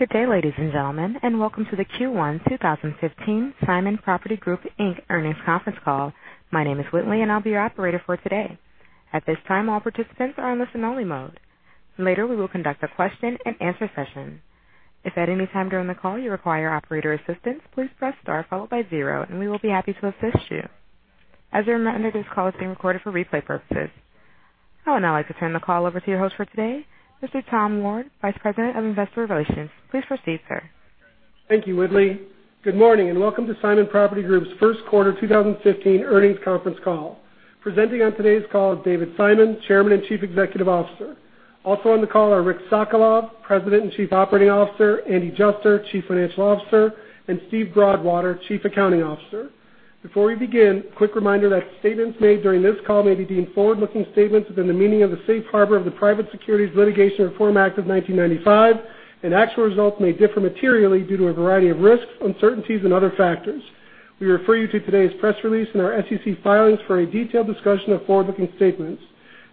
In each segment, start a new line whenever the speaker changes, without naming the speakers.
Good day, ladies and gentlemen, welcome to the Q1 2015 Simon Property Group, Inc. earnings conference call. My name is Whitley, I'll be your operator for today. At this time, all participants are in listen-only mode. Later, we will conduct a question and answer session. If at any time during the call you require operator assistance, please press star followed by zero, and we will be happy to assist you. As a reminder, this call is being recorded for replay purposes. I would now like to turn the call over to your host for today, Mr. Tom Ward, Vice President of Investor Relations. Please proceed, sir.
Thank you, Whitley. Good morning, welcome to Simon Property Group's first quarter 2015 earnings conference call. Presenting on today's call is David Simon, Chairman and Chief Executive Officer. Also on the call are Rick Sokolov, President and Chief Operating Officer, Andy Juster, Chief Financial Officer, Steve Broadwater, Chief Accounting Officer. Before we begin, a quick reminder that statements made during this call may be deemed forward-looking statements within the meaning of the Safe Harbor of the Private Securities Litigation Reform Act of 1995, actual results may differ materially due to a variety of risks, uncertainties, and other factors. We refer you to today's press release and our SEC filings for a detailed discussion of forward-looking statements.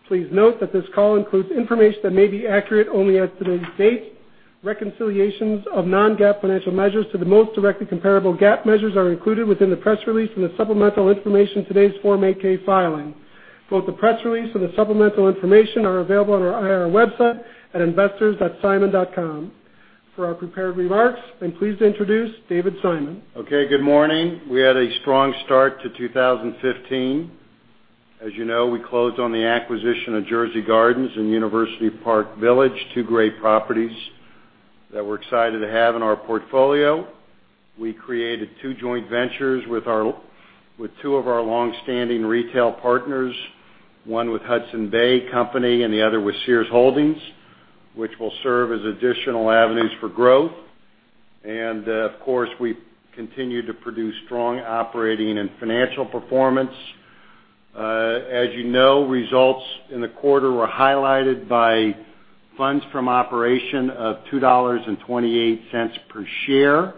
Please note that this call includes information that may be accurate only as of today's date. Reconciliations of non-GAAP financial measures to the most directly comparable GAAP measures are included within the press release and the supplemental information in today's Form 8-K filing. Both the press release and the supplemental information are available on our IR website at investors.simon.com. For our prepared remarks, I'm pleased to introduce David Simon.
Okay, good morning. We had a strong start to 2015. As you know, we closed on the acquisition of Jersey Gardens and University Park Village, two great properties that we're excited to have in our portfolio. We created two joint ventures with two of our long-standing retail partners, one with Hudson's Bay Company and the other with Sears Holdings, which will serve as additional avenues for growth. Of course, we continue to produce strong operating and financial performance. As you know, results in the quarter were highlighted by funds from operation of $2.28 per share,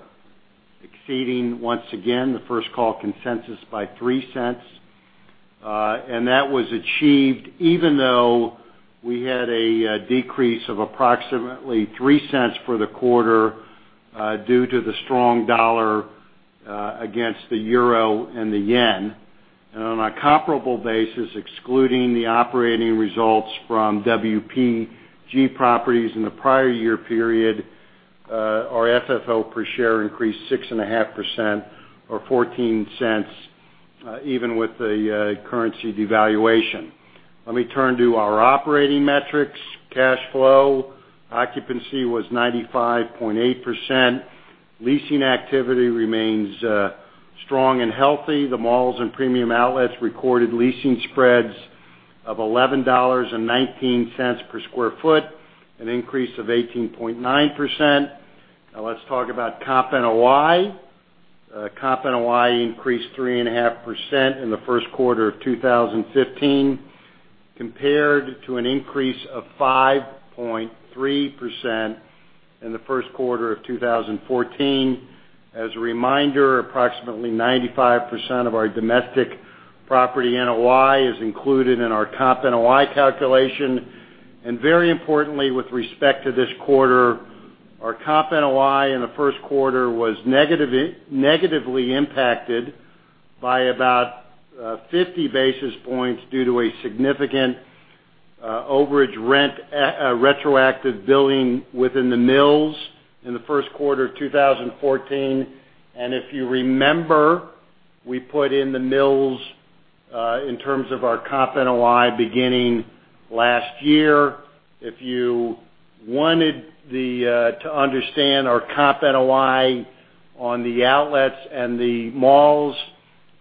exceeding once again the First Call consensus by $0.03. That was achieved even though we had a decrease of approximately $0.03 for the quarter due to the strong dollar against the euro and the yen. On a comparable basis, excluding the operating results from WPG properties in the prior year period, our FFO per share increased 6.5% or $0.14, even with the currency devaluation. Let me turn to our operating metrics. Cash flow occupancy was 95.8%. Leasing activity remains strong and healthy. The malls and Premium Outlets recorded leasing spreads of $11.19 per sq ft, an increase of 18.9%. Let's talk about Comp NOI. Comp NOI increased 3.5% in the first quarter of 2015 compared to an increase of 5.3% in the first quarter of 2014. As a reminder, approximately 95% of our domestic property NOI is included in our Comp NOI calculation. Very importantly, with respect to this quarter, our Comp NOI in the first quarter was negatively impacted by about 50 basis points due to a significant overage rent retroactive billing within The Mills in the first quarter of 2014. If you remember, we put in The Mills in terms of our Comp NOI beginning last year. If you wanted to understand our Comp NOI on the outlets and the malls,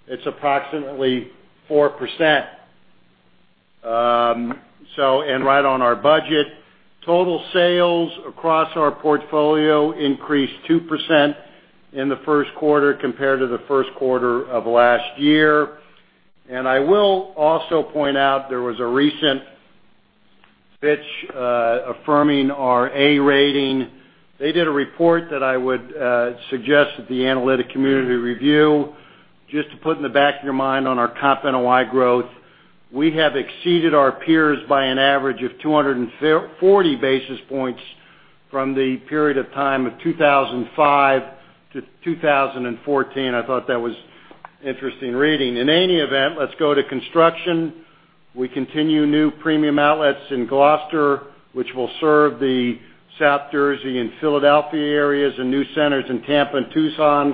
it's approximately 4%. Right on our budget. Total sales across our portfolio increased 2% in the first quarter compared to the first quarter of last year. I will also point out there was a recent Fitch affirming our A rating. They did a report that I would suggest that the analytic community review. Just to put in the back of your mind on our Comp NOI growth, we have exceeded our peers by an average of 240 basis points from the period of time of 2005 to 2014. I thought that was interesting reading. In any event, let's go to construction. We continue new Premium Outlets in Gloucester, which will serve the South Jersey and Philadelphia areas and new centers in Tampa and Tucson,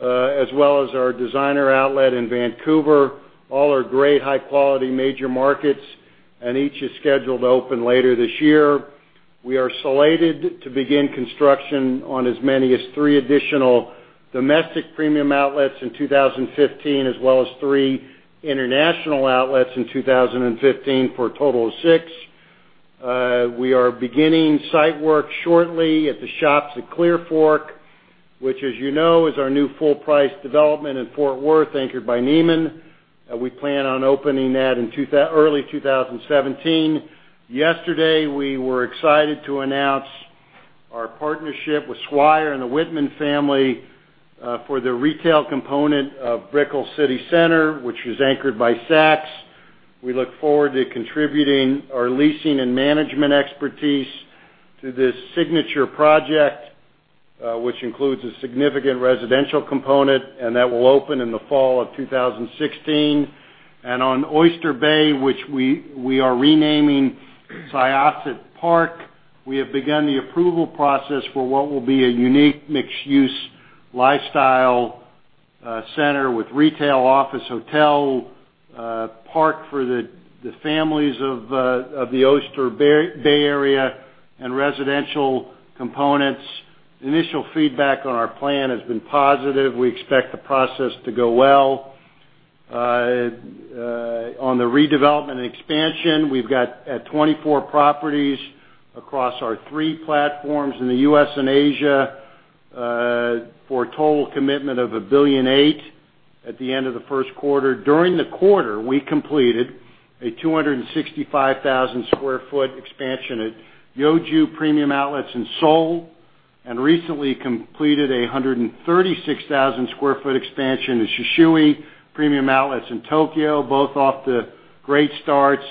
as well as our designer outlet in Vancouver. All are great, high-quality major markets, and each is scheduled to open later this year. We are slated to begin construction on as many as three additional domestic Premium Outlets in 2015, as well as three international outlets in 2015 for a total of six. We are beginning site work shortly at The Shops at Clearfork, which as you know is our new full-price development in Fort Worth, anchored by Neiman. We plan on opening that in early 2017. Yesterday, we were excited to announce our partnership with Swire and the Whitman family for the retail component of Brickell City Centre, which is anchored by Saks. We look forward to contributing our leasing and management expertise to this signature project, which includes a significant residential component, and that will open in the fall of 2016. On Oyster Bay, which we are renaming Syosset Park, we have begun the approval process for what will be a unique mixed-use lifestyle center with retail, office, hotel, park for the families of the Oyster Bay area and residential components. Initial feedback on our plan has been positive. We expect the process to go well. On the redevelopment and expansion, we've got 24 properties across our three platforms in the U.S. and Asia, for a total commitment of $1.8 billion at the end of the first quarter. During the quarter, we completed a 265,000 sq ft expansion at Yeoju Premium Outlets in Seoul, and recently completed 136,000 sq ft expansion at Shisui Premium Outlets in Tokyo, both off to great starts.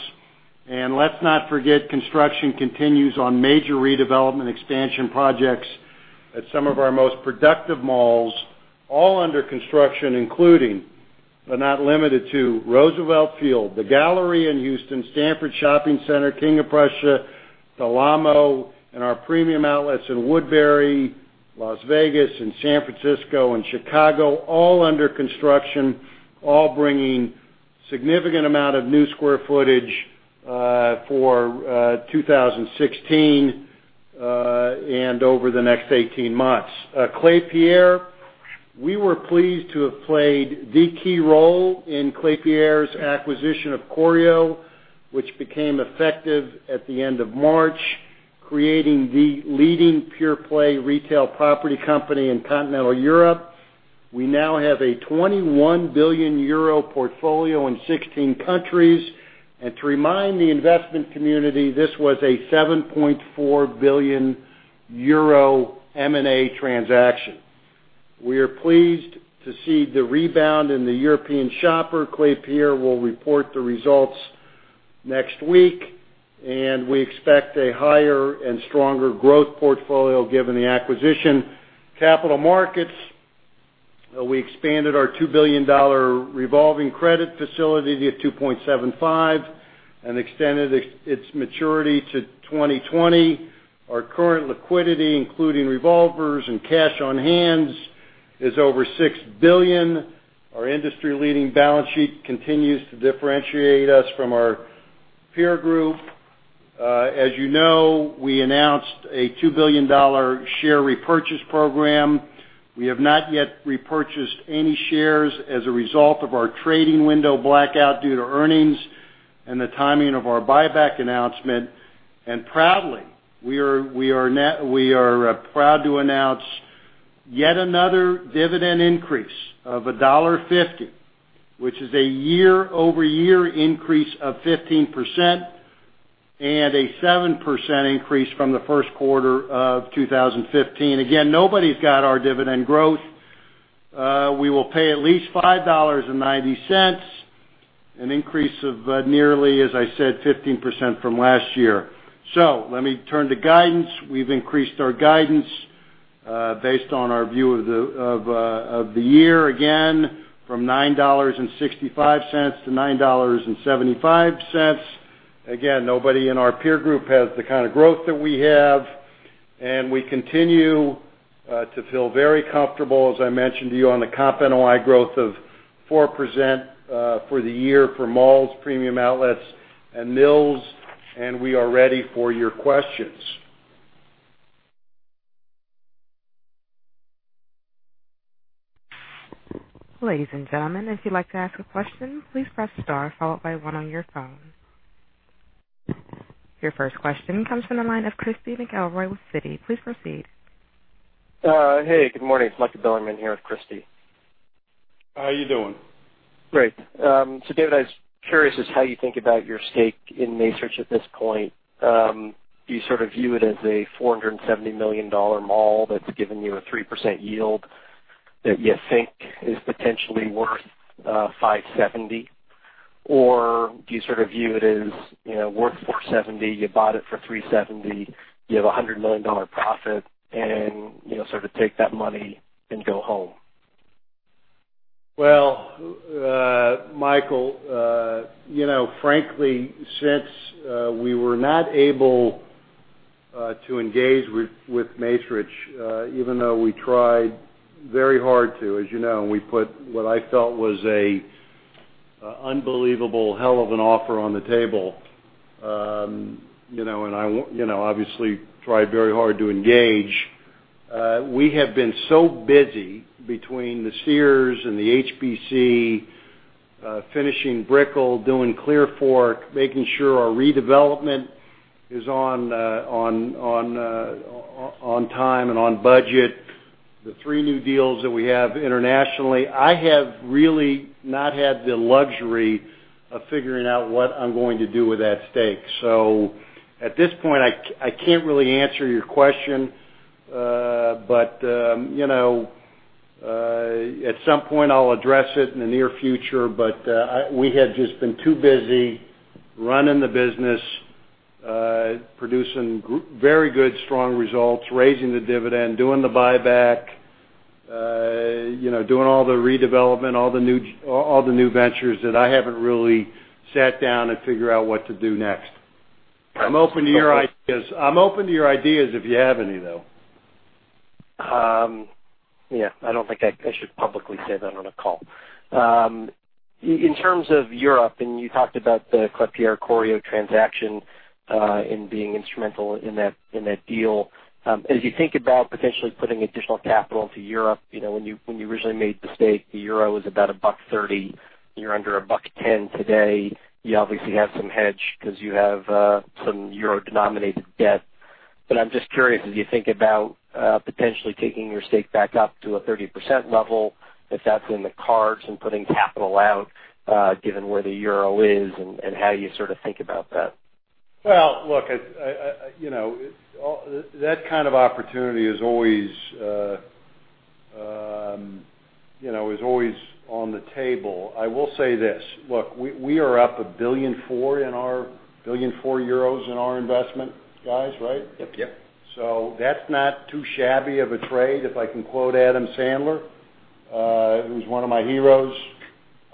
Let's not forget, construction continues on major redevelopment expansion projects at some of our most productive malls, all under construction, including, but not limited to Roosevelt Field, The Galleria in Houston, Stanford Shopping Center, King of Prussia, Del Amo, and our premium outlets in Woodbury, Las Vegas and San Francisco and Chicago, all under construction, all bringing significant amount of new sq ft for 2016, and over the next 18 months. Klépierre, we were pleased to have played the key role in Klépierre's acquisition of Corio, which became effective at the end of March, creating the leading pure-play retail property company in continental Europe. We now have a €21 billion portfolio in 16 countries. To remind the investment community, this was a €7.4 billion M&A transaction. We are pleased to see the rebound in the European shopper. Klépierre will report the results next week, and we expect a higher and stronger growth portfolio given the acquisition. Capital markets, we expanded our $2 billion revolving credit facility to $2.75 and extended its maturity to 2020. Our current liquidity, including revolvers and cash on hands, is over $6 billion. Our industry-leading balance sheet continues to differentiate us from our peer group. As you know, we announced a $2 billion share repurchase program. We have not yet repurchased any shares as a result of our trading window blackout due to earnings and the timing of our buyback announcement. Proudly, we are proud to announce yet another dividend increase of $1.50, which is a year-over-year increase of 15% and a 7% increase from the first quarter of 2015. Again, nobody's got our dividend growth. We will pay at least $5.90, an increase of nearly, as I said, 15% from last year. Let me turn to guidance. We've increased our guidance based on our view of the year, again, from $9.65 to $9.75. Again, nobody in our peer group has the kind of growth that we have, and we continue to feel very comfortable, as I mentioned to you, on the Comp NOI growth of 4% for the year for malls, premium outlets, and mills, and we are ready for your questions.
Ladies and gentlemen, if you'd like to ask a question, please press star followed by one on your phone. Your first question comes from the line of Christy McElroy with Citi. Please proceed.
Hey, good morning. It's Michael Bilerman here with Christy.
How are you doing?
Great. David, I was curious as how you think about your stake in Macerich at this point. Do you sort of view it as a $470 million mall that's given you a 3% yield that you think is potentially worth $570 million? Or do you sort of view it as worth $470 million, you bought it for $370 million, you have $100 million profit and sort of take that money and go home?
Well, Michael, frankly, since we were not able to engage with Macerich, even though we tried very hard to, as you know, we put what I felt was an unbelievable hell of an offer on the table. Obviously tried very hard to engage. We have been so busy between the Sears and the HBC, finishing Brickell, doing Clearfork, making sure our redevelopment is on time and on budget, the three new deals that we have internationally. I have really not had the luxury of figuring out what I'm going to do with that stake. At this point, I can't really answer your question. At some point, I'll address it in the near future, but we have just been too busy running the business, producing very good, strong results, raising the dividend, doing the buyback, doing all the redevelopment, all the new ventures that I haven't really sat down and figured out what to do next. I'm open to your ideas if you have any, though.
Yeah. I don't think I should publicly say that on a call. In terms of Europe, you talked about the Klépierre-Corio transaction and being instrumental in that deal. As you think about potentially putting additional capital into Europe, when you originally made the stake, the euro was about $1.30. You're under $1.10 today. You obviously have some hedge because you have some euro-denominated debt. I'm just curious as you think about potentially taking your stake back up to a 30% level, if that's in the cards and putting capital out, given where the euro is and how you sort of think about that.
Well, look, that kind of opportunity is always on the table. I will say this, look, we are up 1.4 billion in our investment, guys, right?
Yep.
That's not too shabby of a trade, if I can quote Adam Sandler, who's one of my heroes.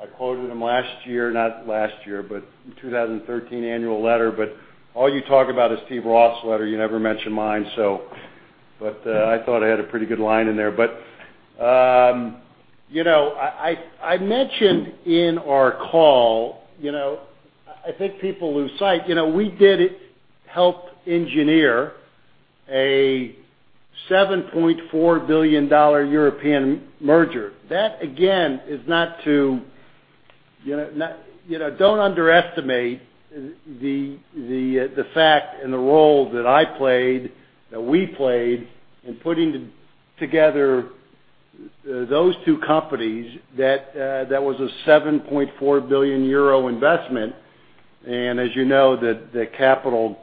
I quoted him last year Not last year, but 2013 annual letter. All you talk about is Steve Ross' letter. You never mention mine. I thought I had a pretty good line in there. I mentioned in our call, I think people lose sight. We did help engineer a EUR 7.4 billion European merger. Don't underestimate the fact and the role that I played, that we played in putting together those two companies. That was a 7.4 billion euro investment. As you know, the capital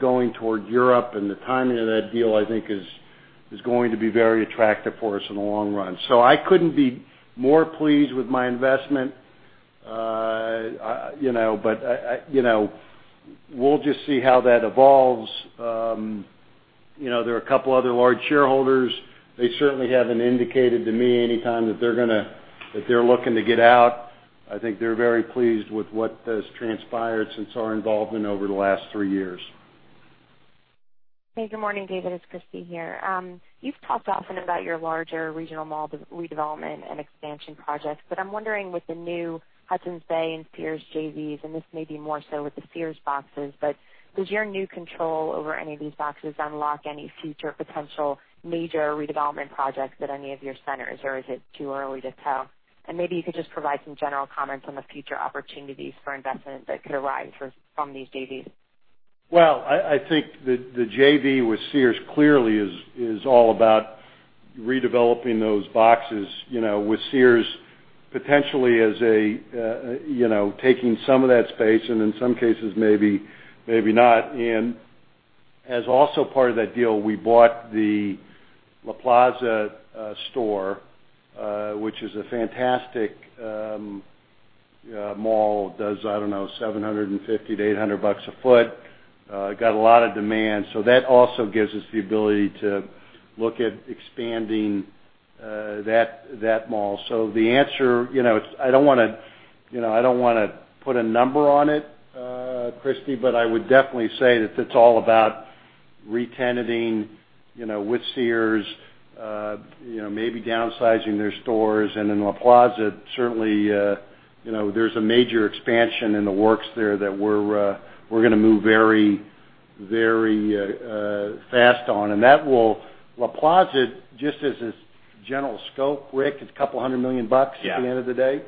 going towards Europe and the timing of that deal, I think, is going to be very attractive for us in the long run. I couldn't be more pleased with my investment. We'll just see how that evolves. There are a couple of other large shareholders. They certainly haven't indicated to me anytime that they're looking to get out. I think they're very pleased with what has transpired since our involvement over the last three years.
Hey, good morning, David. It's Christy here. You've talked often about your larger regional mall redevelopment and expansion projects. I'm wondering with the new Hudson's Bay and Sears JVs, and this may be more so with the Sears boxes, does your new control over any of these boxes unlock any future potential major redevelopment projects at any of your centers? Is it too early to tell? Maybe you could just provide some general comments on the future opportunities for investment that could arise from these JVs.
I think the JV with Sears clearly is all about redeveloping those boxes, with Sears potentially taking some of that space and in some cases, maybe not. As also part of that deal, we bought the La Plaza store, which is a fantastic mall. I don't know, $750 to $800 a foot. Got a lot of demand. That also gives us the ability to look at expanding that mall. The answer, I don't want to put a number on it, Christy, but I would definitely say that it's all about re-tenanting with Sears, maybe downsizing their stores. In La Plaza, certainly, there's a major expansion in the works there that we're going to move very fast on. La Plaza, just as its general scope, Rick, it's a couple hundred million dollars at the end of the day.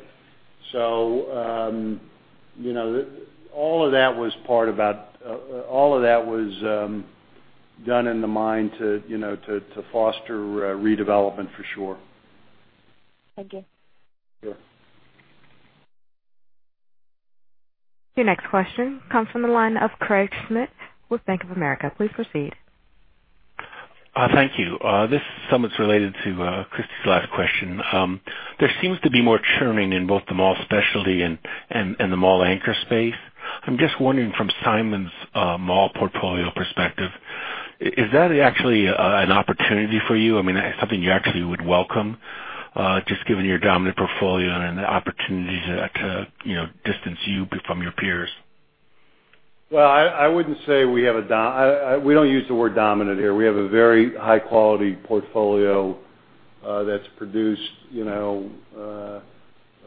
Yeah. All of that was done in the mind to foster redevelopment for sure.
Thank you.
Sure.
Your next question comes from the line of Craig Schmidt with Bank of America. Please proceed.
Thank you. This somewhat is related to Christy's last question. There seems to be more churning in both the mall specialty and the mall anchor space. I'm just wondering from Simon's mall portfolio perspective, is that actually an opportunity for you? I mean, something you actually would welcome, just given your dominant portfolio and the opportunities to distance you from your peers?
Well, we don't use the word dominant here. We have a very high-quality portfolio that's produced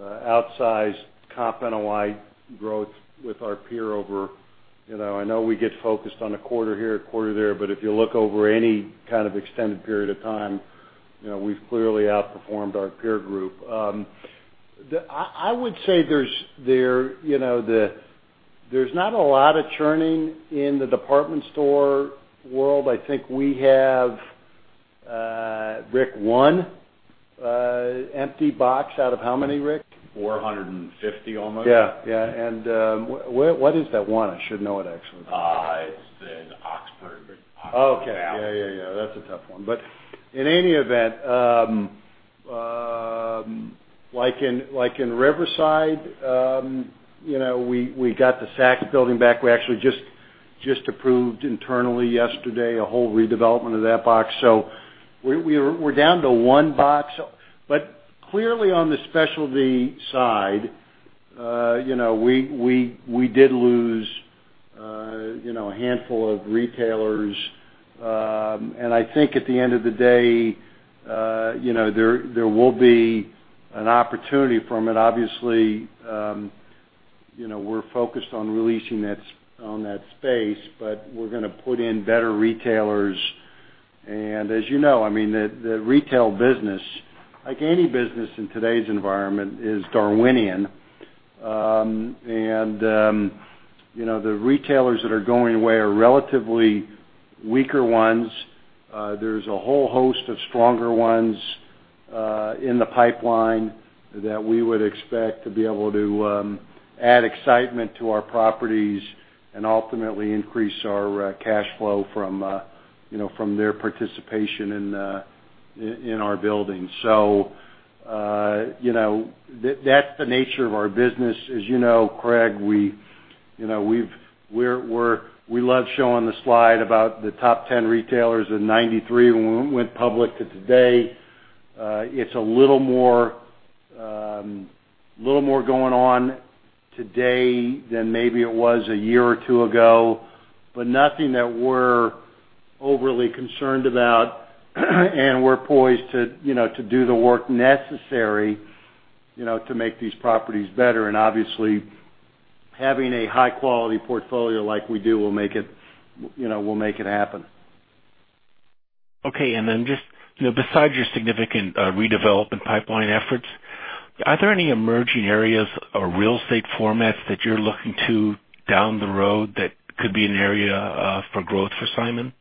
outsized comp and a wide growth with our peer over I know we get focused on a quarter here, a quarter there, but if you look over any kind of extended period of time, we've clearly outperformed our peer group. I would say there's not a lot of churning in the department store world. I think we have, Rick, one empty box out of how many, Rick?
450 almost.
Yeah. What is that one? I should know it, actually.
It's in Oxford.
Okay. Yeah. That's a tough one. In any event- Like in Riverside, we got the Saks building back. We actually just approved internally yesterday, a whole redevelopment of that box. We're down to one box. Clearly on the specialty side, we did lose a handful of retailers. I think at the end of the day, there will be an opportunity from it. Obviously, we're focused on releasing on that space, but we're going to put in better retailers. As you know, the retail business, like any business in today's environment, is Darwinian. The retailers that are going away are relatively weaker ones. There's a whole host of stronger ones in the pipeline that we would expect to be able to add excitement to our properties and ultimately increase our cash flow from their participation in our buildings. That's the nature of our business. As you know, Craig, we love showing the slide about the top 10 retailers in 1993 when we went public to today. It's a little more going on today than maybe it was a year or two ago, but nothing that we're overly concerned about. We're poised to do the work necessary to make these properties better. Obviously, having a high-quality portfolio like we do will make it happen.
Okay, just besides your significant redevelopment pipeline efforts, are there any emerging areas or real estate formats that you're looking to down the road that could be an area for growth for Simon?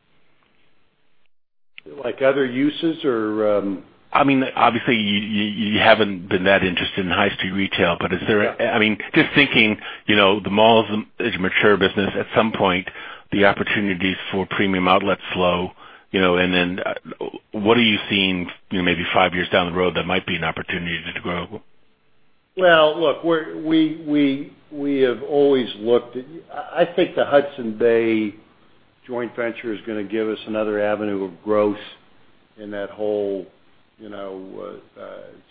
Like other uses or?
Obviously, you haven't been that interested in high street retail, is there?
Yeah.
Just thinking, the mall is a mature business. At some point, the opportunities for premium outlets slow, what are you seeing maybe five years down the road that might be an opportunity to grow?
Well, look, we have always looked at I think the Hudson's Bay joint venture is going to give us another avenue of growth in that whole,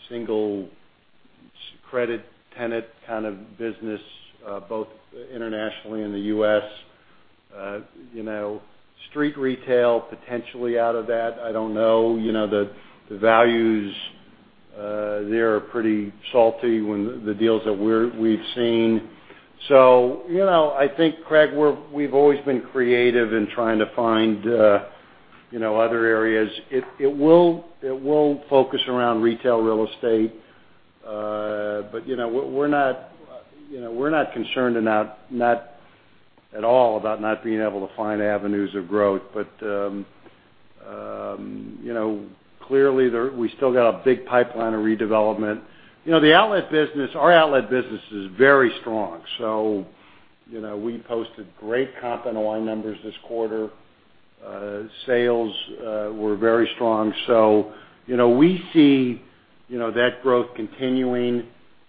single credit tenant kind of business, both internationally and the U.S. Street retail, potentially out of that, I don't know. The values there are pretty salty when the deals that we've seen. I think, Craig, we've always been creative in trying to find other areas. It will focus around retail real estate. We're not concerned at all about not being able to find avenues of growth. Clearly, we still got a big pipeline of redevelopment. Our outlet business is very strong. We posted great Comp NOI numbers this quarter. Sales were very strong. We see that growth continuing,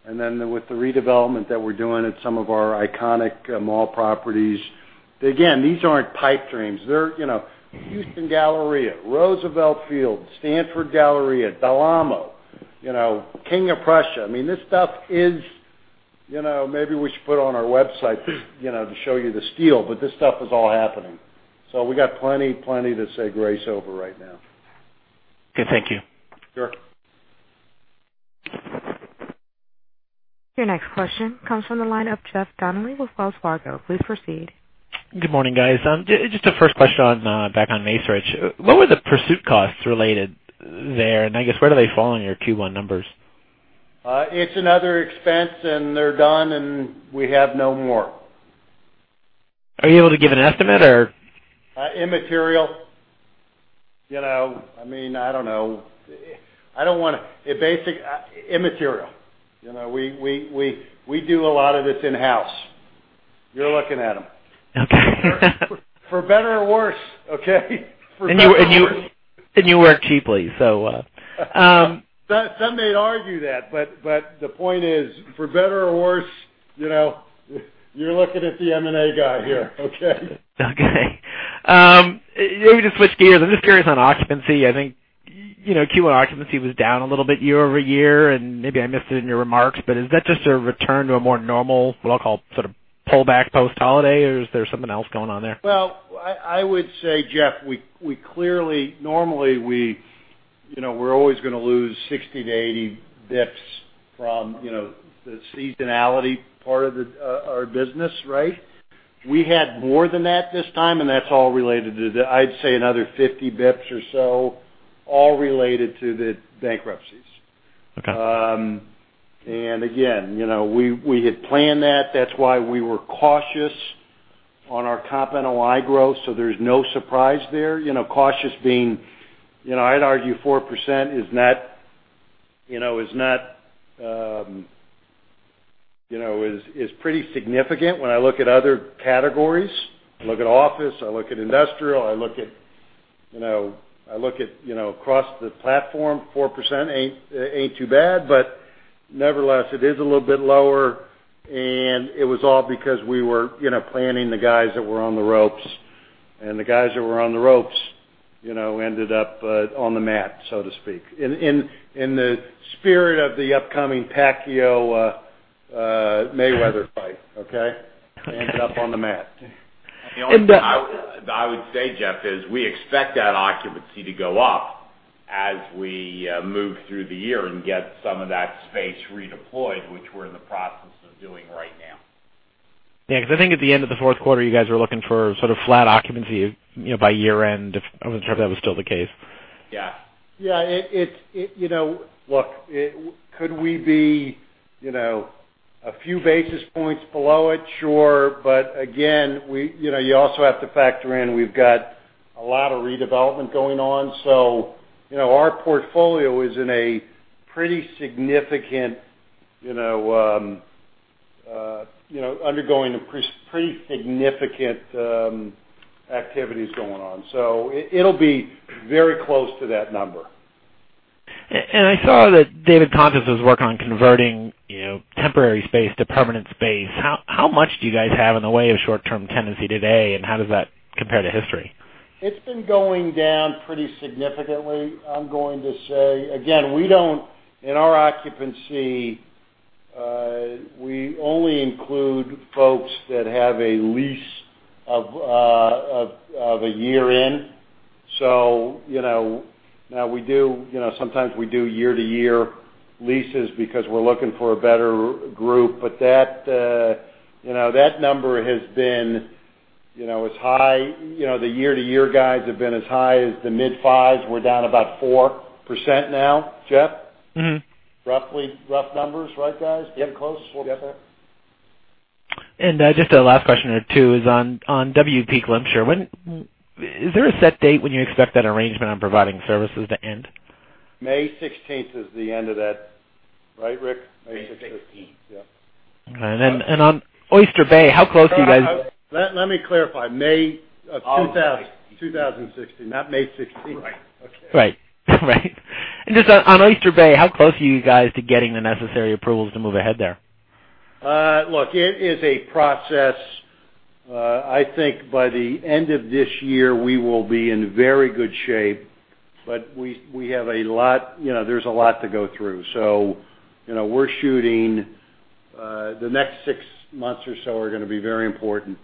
and with the redevelopment that we're doing at some of our iconic mall properties. Again, these aren't pipe dreams. They're Houston Galleria, Roosevelt Field, Stanford Shopping Center, Del Amo, King of Prussia. Maybe we should put it on our website to show you the steel, this stuff is all happening. We got plenty to say grace over right now.
Okay. Thank you.
Sure.
Your next question comes from the line of Jeff Donnelly with Wells Fargo. Please proceed.
Good morning, guys. Just a first question back on Macerich. What were the pursuit costs related there? I guess, where do they fall in your Q1 numbers?
It's another expense, and they're done, and we have no more.
Are you able to give an estimate or?
Immaterial. I don't know. Immaterial. We do a lot of this in-house. You're looking at them.
Okay.
For better or worse, okay? For better or worse.
You work cheaply.
Some may argue that, but the point is, for better or worse, you're looking at the M&A guy here, okay?
Okay. Maybe to switch gears, I am just curious on occupancy. I think Q1 occupancy was down a little bit year-over-year, and maybe I missed it in your remarks, but is that just a return to a more normal, what I will call, sort of pullback post-holiday, or is there something else going on there?
Well, I would say, Jeff, normally we are always going to lose 60-80 basis points from the seasonality part of our business, right? We had more than that this time, and that is all related to another 50 basis points or so, all related to the bankruptcies.
Okay.
Again, we had planned that. That is why we were cautious on our Comp NOI growth. There is no surprise there. Cautious being, I would argue 4% is pretty significant when I look at other categories. I look at office, I look at industrial, I look at across the platform, 4% ain't too bad, nevertheless, it is a little bit lower, and it was all because we were planning the guys that were on the ropes, and the guys that were on the ropes ended up on the mat, so to speak. In the spirit of the upcoming Pacquiao-Mayweather fight, okay? Ended up on the mat.
The only thing I would say, Jeff, is we expect that occupancy to go up as we move through the year and get some of that space redeployed, which we are in the process of doing right now.
Yeah, because I think at the end of the fourth quarter, you guys were looking for sort of flat occupancy by year-end. I wasn't sure if that was still the case.
Yeah.
Look, could we be a few basis points below it? Sure. Again, you also have to factor in, we've got a lot of redevelopment going on. Our portfolio is undergoing pretty significant activities going on. It'll be very close to that number.
I saw that David Contis was working on converting temporary space to permanent space. How much do you guys have in the way of short-term tenancy today, and how does that compare to history?
It's been going down pretty significantly. I'm going to say, again, in our occupancy, we only include folks that have a lease of a year in. Sometimes we do year-to-year leases because we're looking for a better group. That number, the year-to-year guys have been as high as the mid-fives. We're down about 4% now. Jeff? Rough numbers, right, guys?
Yeah. Close.
Yeah.
Just a last question or two is on WP Glimcher. Is there a set date when you expect that arrangement on providing services to end?
May 16 is the end of that. Right, Rick? May 16.
May 16th. Yep.
All right. On Oyster Bay, how close are you guys?
Let me clarify. May of 2016, not May 16th.
Right.
Right. Just on Oyster Bay, how close are you guys to getting the necessary approvals to move ahead there?
Look, it is a process. I think by the end of this year, we will be in very good shape, but there's a lot to go through. The next six months or so are going to be very important.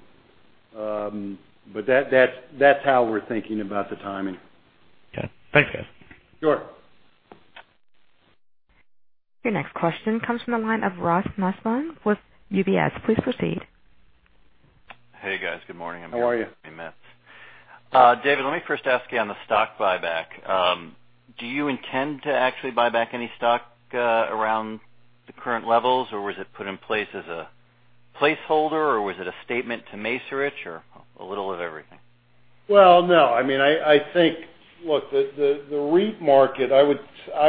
That's how we're thinking about the timing.
Okay. Thanks, guys.
Sure.
Your next question comes from the line of Ross Nussbaum with UBS. Please proceed.
Hey, guys. Good morning.
How are you?
I'm here with Amy Metz. David, let me first ask you on the stock buyback. Do you intend to actually buy back any stock around the current levels, or was it put in place as a placeholder, or was it a statement to Macerich, or a little of everything?
Well, no. Look, the REIT market, I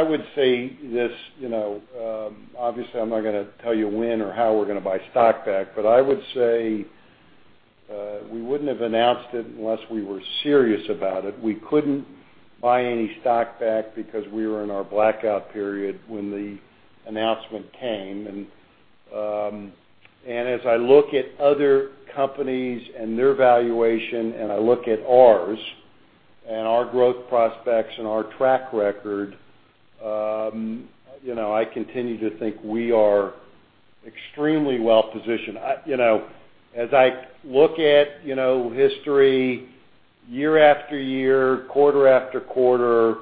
would say this. Obviously, I'm not going to tell you when or how we're going to buy stock back. I would say we wouldn't have announced it unless we were serious about it. We couldn't buy any stock back because we were in our blackout period when the announcement came. As I look at other companies and their valuation, I look at ours and our growth prospects and our track record, I continue to think we are extremely well-positioned. As I look at history, year after year, quarter after quarter,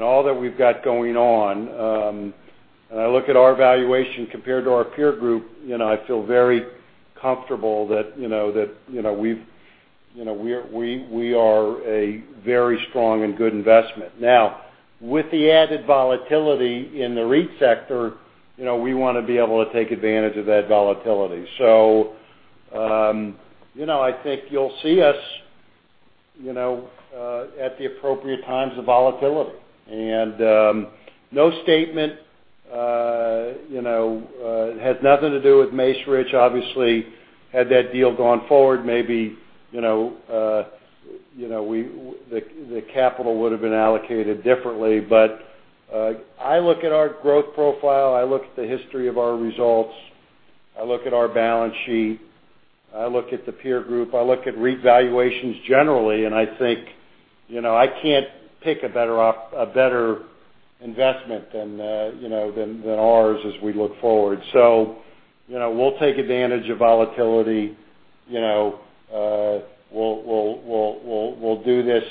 all that we've got going on, I look at our valuation compared to our peer group, I feel very comfortable that we are a very strong and good investment. Now, with the added volatility in the REIT sector, we want to be able to take advantage of that volatility. I think you'll see us at the appropriate times of volatility. No statement. It had nothing to do with Macerich. Obviously, had that deal gone forward, maybe the capital would've been allocated differently. I look at our growth profile, I look at the history of our results, I look at our balance sheet, I look at the peer group, I look at REIT valuations generally, I think I can't pick a better investment than ours as we look forward. We'll take advantage of volatility. We'll do this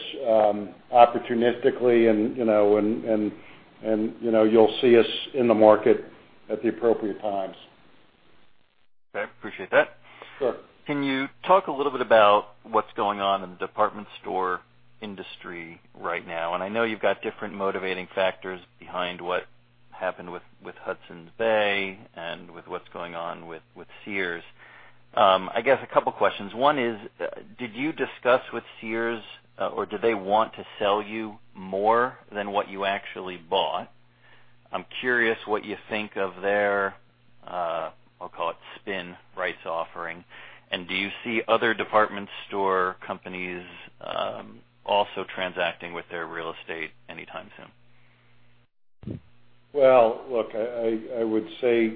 opportunistically, and you'll see us in the market at the appropriate times.
Okay. Appreciate that.
Sure.
Can you talk a little bit about what's going on in the department store industry right now? I know you've got different motivating factors behind what happened with Hudson's Bay and with what's going on with Sears. I guess a couple questions. One is, did you discuss with Sears, or did they want to sell you more than what you actually bought? I'm curious what you think of their, I'll call it spin rights offering. Do you see other department store companies also transacting with their real estate anytime soon?
Well, look, I would say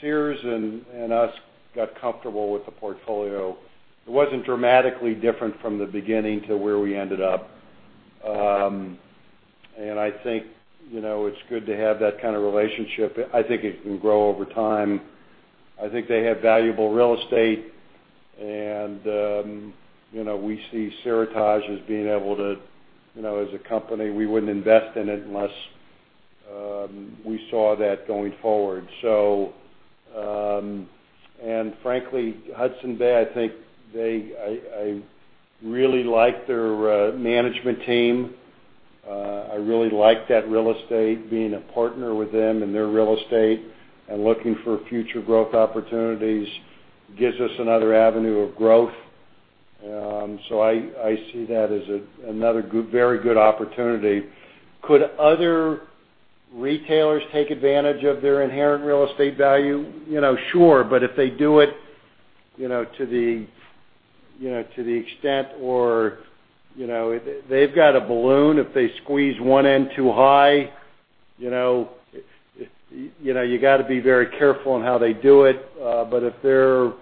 Sears and us got comfortable with the portfolio. It wasn't dramatically different from the beginning to where we ended up. I think it's good to have that kind of relationship. I think it can grow over time. I think they have valuable real estate and we see Seritage. As a company, we wouldn't invest in it unless we saw that going forward. Frankly, Hudson's Bay, I think I really like their management team. I really like that real estate, being a partner with them and their real estate and looking for future growth opportunities gives us another avenue of growth. I see that as another very good opportunity. Could other retailers take advantage of their inherent real estate value? Sure. If they do it to the extent or they've got a balloon, if they squeeze one end too high, you got to be very careful on how they do it. If they're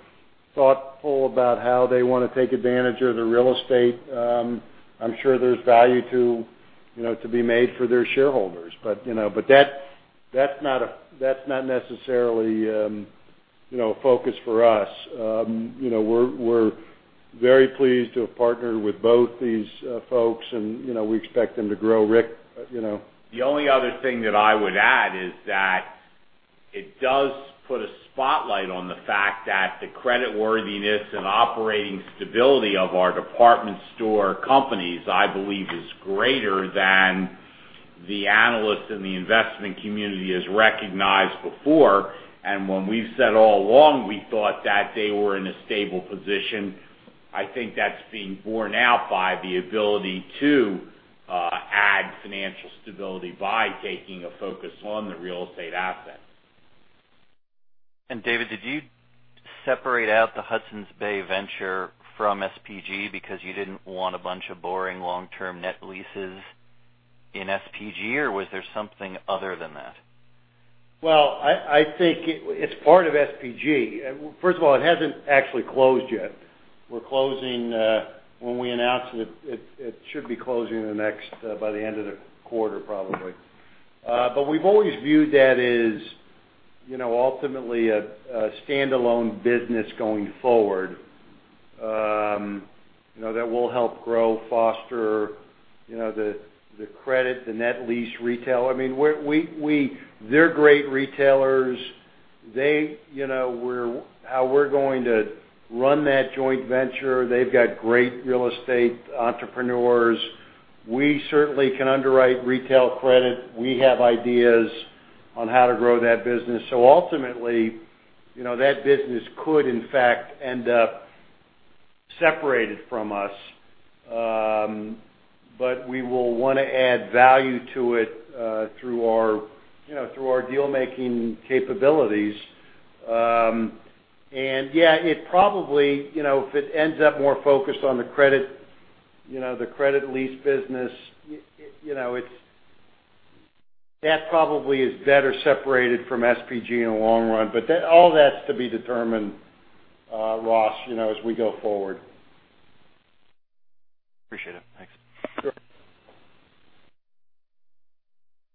thoughtful about how they want to take advantage of their real estate, I'm sure there's value to be made for their shareholders. That's not necessarily a focus for us. We're very pleased to have partnered with both these folks, and we expect them to grow. Rick?
The only other thing that I would add is that it does put a spotlight on the fact that the creditworthiness and operating stability of our department store companies, I believe, is greater than the analysts in the investment community has recognized before. When we've said all along we thought that they were in a stable position, I think that's being borne out by the ability to add financial stability by taking a focus on the real estate asset.
David, did you separate out the Hudson's Bay venture from SPG because you didn't want a bunch of boring long-term net leases in SPG, or was there something other than that?
Well, I think it's part of SPG. First of all, it hasn't actually closed yet. We're closing, when we announced it should be closing by the end of the quarter, probably. We've always viewed that as ultimately a standalone business going forward that will help grow, foster the credit, the net lease retail. They're great retailers. How we're going to run that joint venture, they've got great real estate entrepreneurs. We certainly can underwrite retail credit. We have ideas on how to grow that business. Ultimately, that business could, in fact, end up separated from us. We will want to add value to it through our deal-making capabilities. Yeah, if it ends up more focused on the credit lease business, that probably is better separated from SPG in the long run. All that's to be determined, Ross, as we go forward.
Appreciate it. Thanks.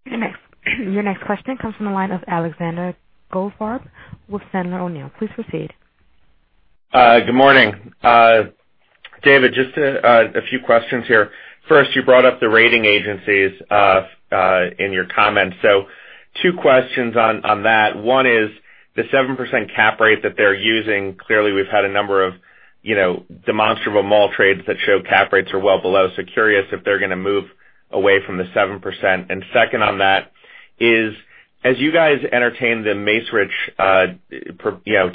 Sure.
Your next question comes from the line of Alexander Goldfarb with Sandler O'Neill. Please proceed.
Good morning. David, just a few questions here. First, you brought up the rating agencies in your comments. Two questions on that. One is the 7% cap rate that they're using. Clearly, we've had a number of demonstrable mall trades that show cap rates are well below, so curious if they're going to move away from the 7%. Second on that is, as you guys entertained the Macerich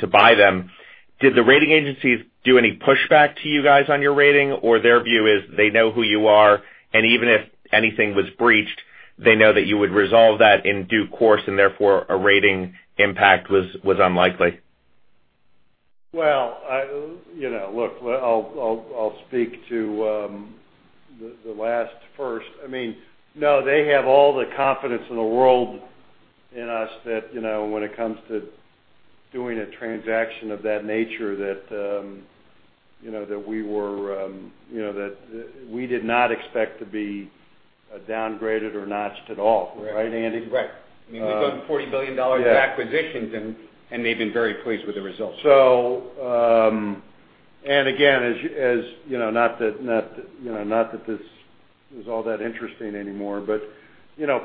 to buy them, did the rating agencies do any pushback to you guys on your rating? Or their view is they know who you are, and even if anything was breached, they know that you would resolve that in due course, and therefore, a rating impact was unlikely.
Well, look, I'll speak to the last first. No, they have all the confidence in the world in us that when it comes to doing a transaction of that nature, that we did not expect to be downgraded or notched at all. Right, Andy?
Right. We've done $40 billion of acquisitions. They've been very pleased with the results.
Again, not that this is all that interesting anymore,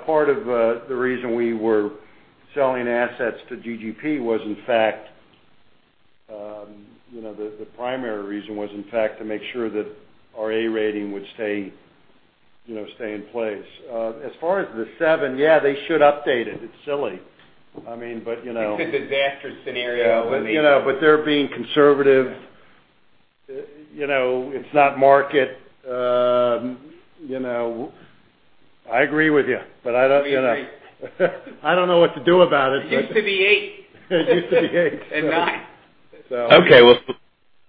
part of the reason we were selling assets to GGP was in fact, the primary reason was, in fact, to make sure that our A rating would stay in place. As far as the seven, yeah, they should update it. It's silly. I mean, but.
It's a disaster scenario when they.
They're being conservative.
Yeah. It's not market. I agree with you, but I don't. We agree.
I don't know what to do about it.
It used to be eight. It used to be eight. Nine.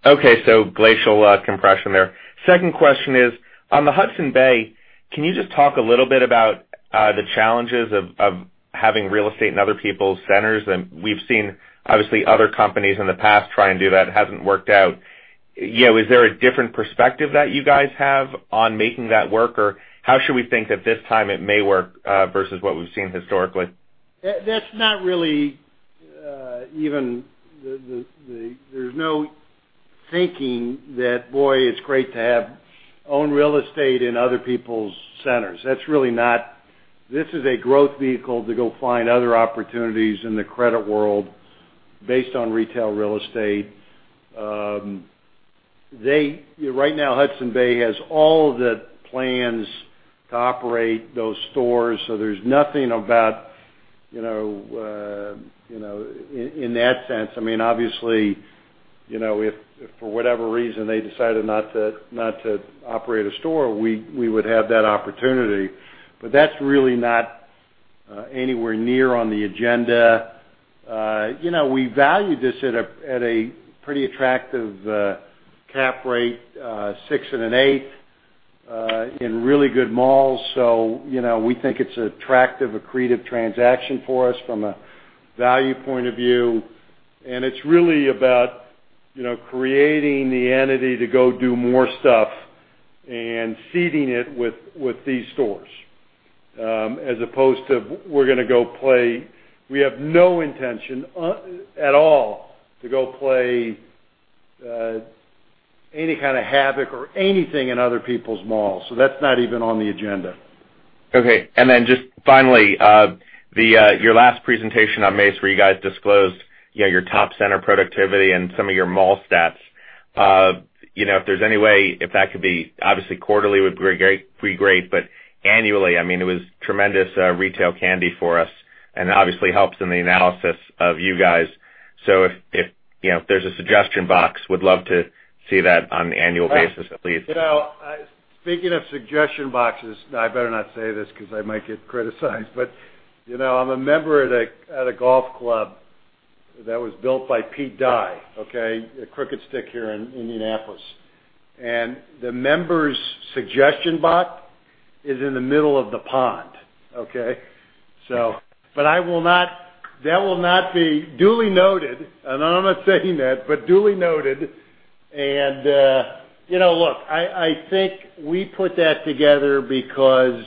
Okay. Glacial compression there. Second question is, on the Hudson's Bay, can you just talk a little bit about the challenges of having real estate in other people's centers? We've seen, obviously, other companies in the past try and do that, it hasn't worked out. Is there a different perspective that you guys have on making that work? Or how should we think that this time it may work, versus what we've seen historically?
That's not really even. There's no thinking that, boy, it's great to own real estate in other people's centers. This is a growth vehicle to go find other opportunities in the credit world based on retail real estate. Right now, Hudson's Bay has all the plans to operate those stores, there's nothing about in that sense. Obviously, if for whatever reason they decided not to operate a store, we would have that opportunity. That's really not anywhere near on the agenda. We value this at a pretty attractive cap rate, 6% and 8%, in really good malls. We think it's attractive, accretive transaction for us from a value point of view. It's really about creating the entity to go do more stuff and seeding it with these stores, as opposed to We have no intention at all to go play any kind of havoc or anything in other people's malls. That's not even on the agenda.
Okay. Just finally, your last presentation on Macerich where you guys disclosed your top center productivity and some of your mall stats. If there's any way, if that could be, obviously quarterly would be great, but annually. It was tremendous retail candy for us, and obviously helps in the analysis of you guys. If there's a suggestion box, would love to see that on the annual basis, at least.
Speaking of suggestion boxes, I better not say this because I might get criticized, but I'm a member at a golf club that was built by Pete Dye, okay? The Crooked Stick here in Indianapolis. The members' suggestion box is in the middle of the pond, okay? That will not be duly noted, and I'm not saying that, but duly noted. Look, I think we put that together because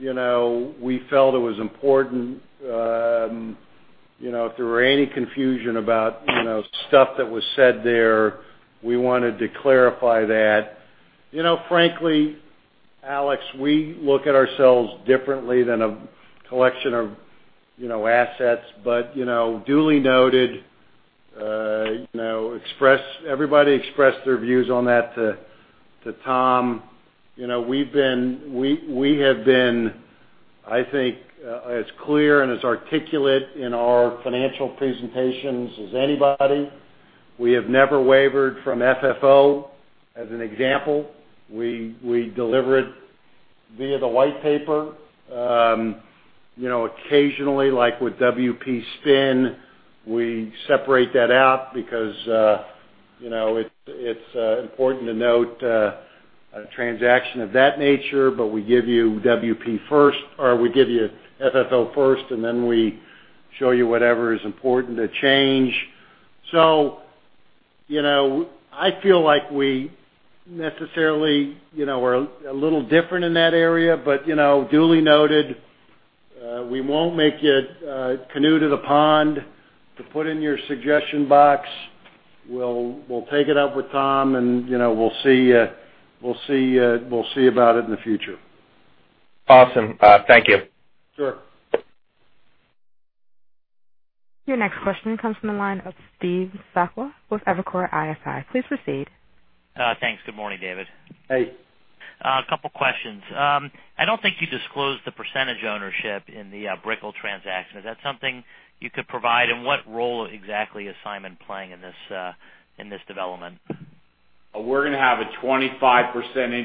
we felt it was important if there were any confusion about stuff that was said there, we wanted to clarify that. Frankly, Alex, we look at ourselves differently than a collection of assets. Duly noted. Everybody expressed their views on that to Tom. We have been, I think, as clear and as articulate in our financial presentations as anybody. We have never wavered from FFO. As an example, we deliver it via the white paper. Occasionally, like with WPG, we separate that out because it's important to note a transaction of that nature. We give you FFO first, and then we show you whatever is important to change. I feel like we necessarily are a little different in that area. Duly noted. We won't make you canoe to the pond to put in your suggestion box. We'll take it up with Tom, and we'll see about it in the future.
Awesome. Thank you.
Sure.
Your next question comes from the line of Steve Sakwa with Evercore ISI. Please proceed.
Thanks. Good morning, David.
Hey.
A couple questions. I don't think you disclosed the percentage ownership in the Brickell transaction. Is that something you could provide? What role exactly is Simon playing in this development?
We're going to have a 25%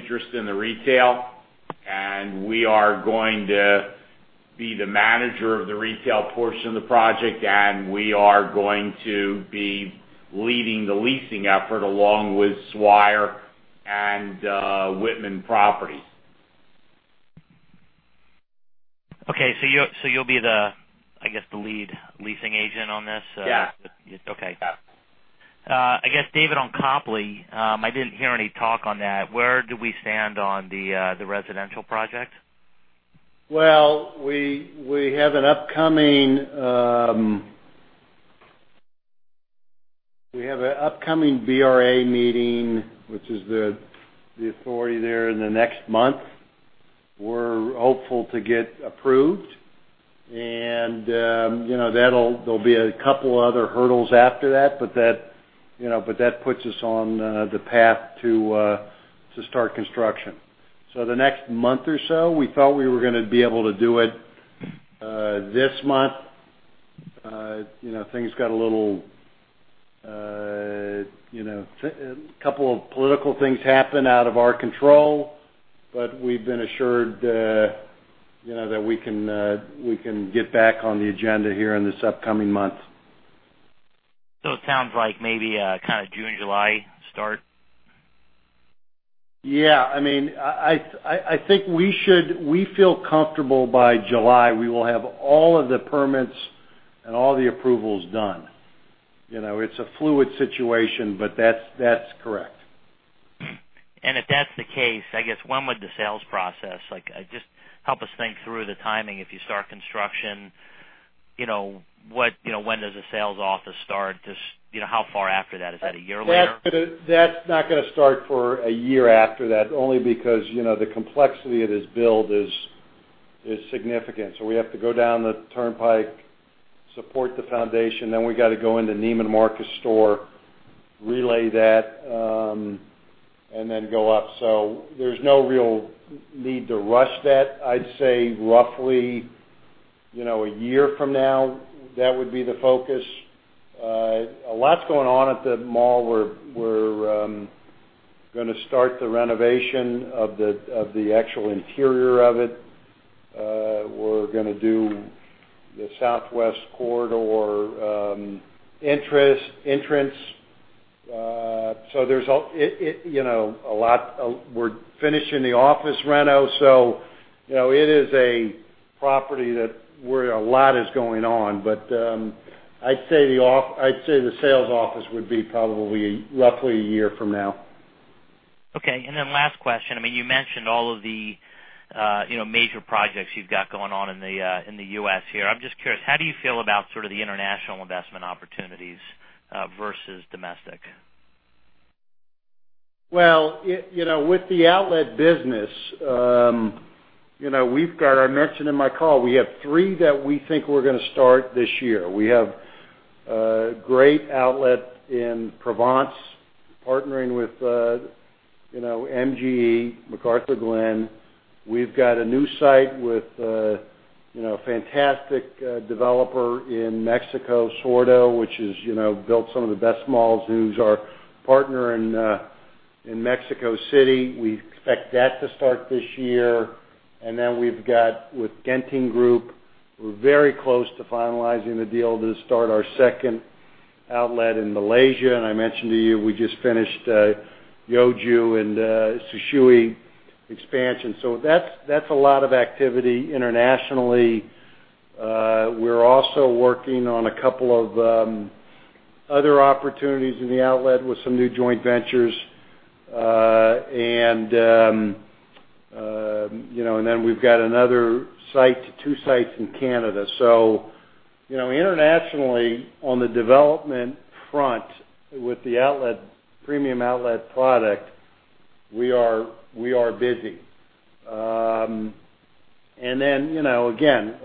interest in the retail, and we are going to be the manager of the retail portion of the project, and we are going to be leading the leasing effort along with Swire and Whitman Properties.
Okay. You'll be, I guess, the lead leasing agent on this?
Yeah.
Okay.
Yeah.
I guess, David, on Copley, I didn't hear any talk on that. Where do we stand on the residential project?
Well, we have an upcoming BRA meeting, which is the authority there, in the next month. We're hopeful to get approved, and there'll be a couple other hurdles after that, but that puts us on the path to start construction. The next month or so, we thought we were going to be able to do it this month. A couple of political things happened out of our control, but we've been assured that we can get back on the agenda here in this upcoming month.
It sounds like maybe a June, July start.
Yeah. I think we feel comfortable by July, we will have all of the permits and all the approvals done. It's a fluid situation, that's correct.
If that's the case, just help us think through the timing. If you start construction, when does the sales office start? Just how far after that, is that a year later?
That's not going to start for a year after that, only because the complexity of this build is significant. We have to go down the turnpike, support the foundation, we got to go into Neiman Marcus store, relay that, go up. There's no real need to rush that. I'd say roughly, a year from now, that would be the focus. A lot's going on at the mall. We're going to start the renovation of the actual interior of it. We're going to do the southwest corridor entrance. We're finishing the office reno. It is a property where a lot is going on. I'd say the sales office would be probably roughly a year from now.
Okay, last question. You mentioned all of the major projects you've got going on in the U.S. here. I'm just curious, how do you feel about sort of the international investment opportunities versus domestic?
With the outlet business, I mentioned in my call, we have three that we think we're going to start this year. We have a great outlet in Provence, partnering with MGE, McArthurGlen. We've got a new site with a fantastic developer in Mexico, Sordo, which built some of the best malls, who's our partner in Mexico City. We expect that to start this year. We've got, with Genting Group, we're very close to finalizing the deal to start our second outlet in Malaysia. I mentioned to you, we just finished Yeoju and Shisui expansion. That's a lot of activity internationally. We're also working on a couple of other opportunities in the outlet with some new joint ventures. We've got another two sites in Canada. Internationally on the development front with the premium outlet product, we are busy. Again,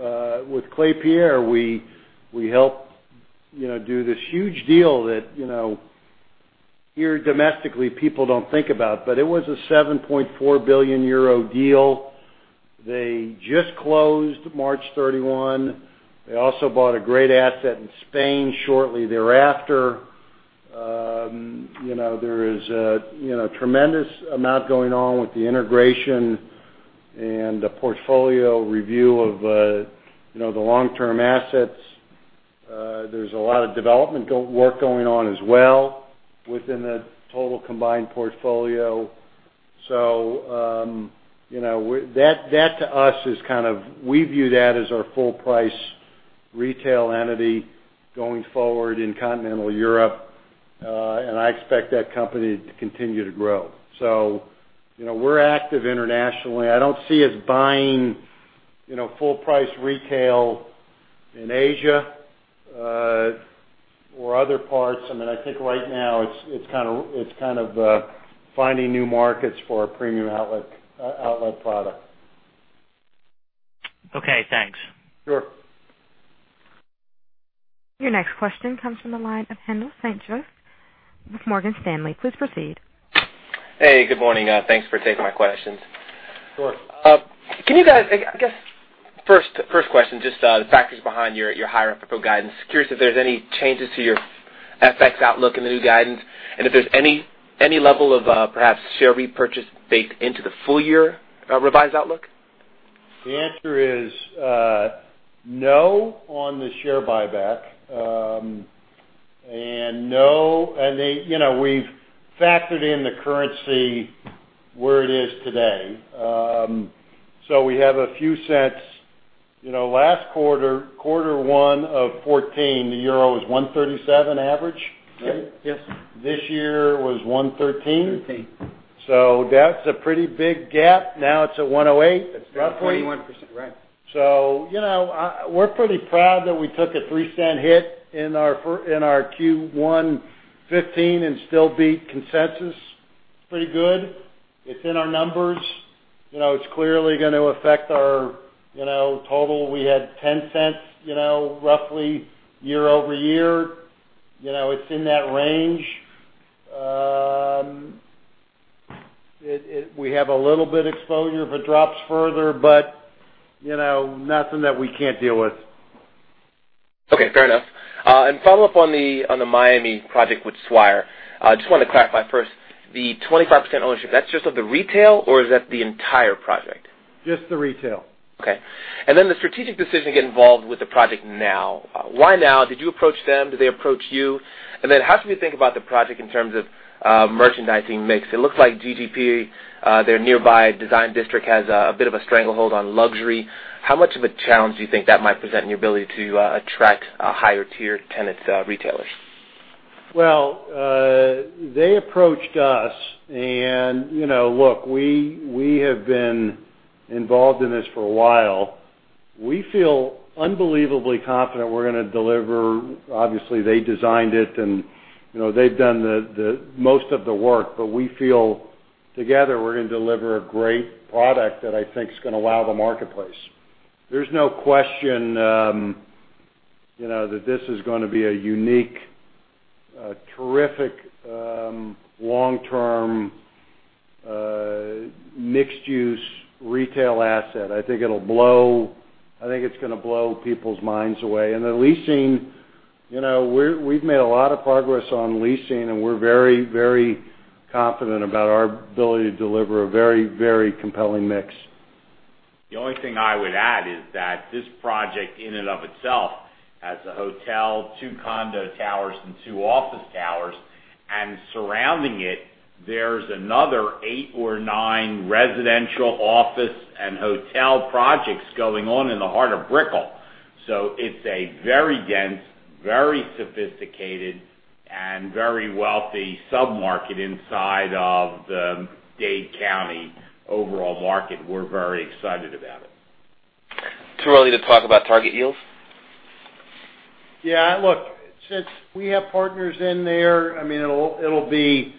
with Klépierre, we helped do this huge deal that, here domestically, people don't think about, but it was a €7.4 billion deal. They just closed March 31. They also bought a great asset in Spain shortly thereafter. There is a tremendous amount going on with the integration and the portfolio review of the long-term assets. There's a lot of development work going on as well within the total combined portfolio. We view that as our full price retail entity going forward in continental Europe. I expect that company to continue to grow. We're active internationally. I don't see us buying full price retail in Asia, or other parts. I think right now it's kind of finding new markets for our premium outlet product.
Okay, thanks.
Sure.
Your next question comes from the line of Haendel St. Juste with Morgan Stanley. Please proceed.
Hey, good morning. Thanks for taking my questions.
Sure.
First question, just the factors behind your higher FFO guidance. Curious if there's any changes to your FX outlook in the new guidance, and if there's any level of perhaps share repurchase baked into the full year revised outlook?
The answer is no on the share buyback. We've factored in the currency where it is today. We have a few cents. Last quarter one of 2014, the EUR was $1.37 average, right?
Yes. This year was $1.13. Thirteen.
That's a pretty big gap. Now it's at 108.
That's down 31%, right.
We're pretty proud that we took a $0.03 hit in our Q1 2015 and still beat consensus. It's pretty good. It's in our numbers. It's clearly going to affect our total. We had $0.10, roughly year-over-year. It's in that range. We have a little bit exposure if it drops further, but nothing that we can't deal with.
Okay, fair enough. Follow up on the Miami project with Swire. Just wanted to clarify first, the 25% ownership, that's just of the retail, or is that the entire project?
Just the retail.
Okay. The strategic decision to get involved with the project now. Why now? Did you approach them? Did they approach you? How should we think about the project in terms of merchandising mix? It looks like GGP, their nearby design district, has a bit of a stranglehold on luxury. How much of a challenge do you think that might present in your ability to attract higher-tier tenants, retailers?
Well, they approached us. We have been involved in this for a while. We feel unbelievably confident we're going to deliver. Obviously, they designed it, and they've done most of the work, but we feel together we're going to deliver a great product that I think is going to wow the marketplace. There's no question that this is going to be a unique, terrific, long-term, mixed-use retail asset. I think it's going to blow people's minds away. The leasing, we've made a lot of progress on leasing, and we're very confident about our ability to deliver a very compelling mix.
The only thing I would add is that this project in and of itself has a hotel, two condo towers, and two office towers. Surrounding it, there's another eight or nine residential, office, and hotel projects going on in the heart of Brickell. It's a very dense, very sophisticated, and very wealthy sub-market inside of the Dade County overall market. We're very excited about it.
Too early to talk about target yields?
Yeah, look, since we have partners in there, it will be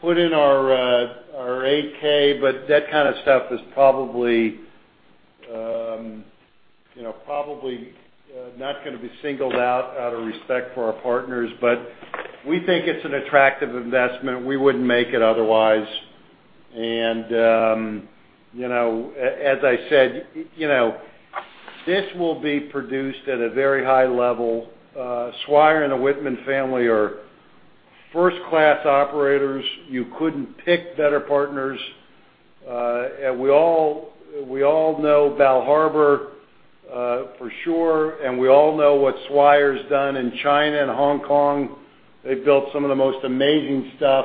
put in our 8-K, but that kind of stuff is probably not going to be singled out of respect for our partners. We think it's an attractive investment. We wouldn't make it otherwise. As I said, this will be produced at a very high level. Swire and the Whitman family are first-class operators. You couldn't pick better partners. We all know Bal Harbour for sure, and we all know what Swire's done in China and Hong Kong. They've built some of the most amazing stuff.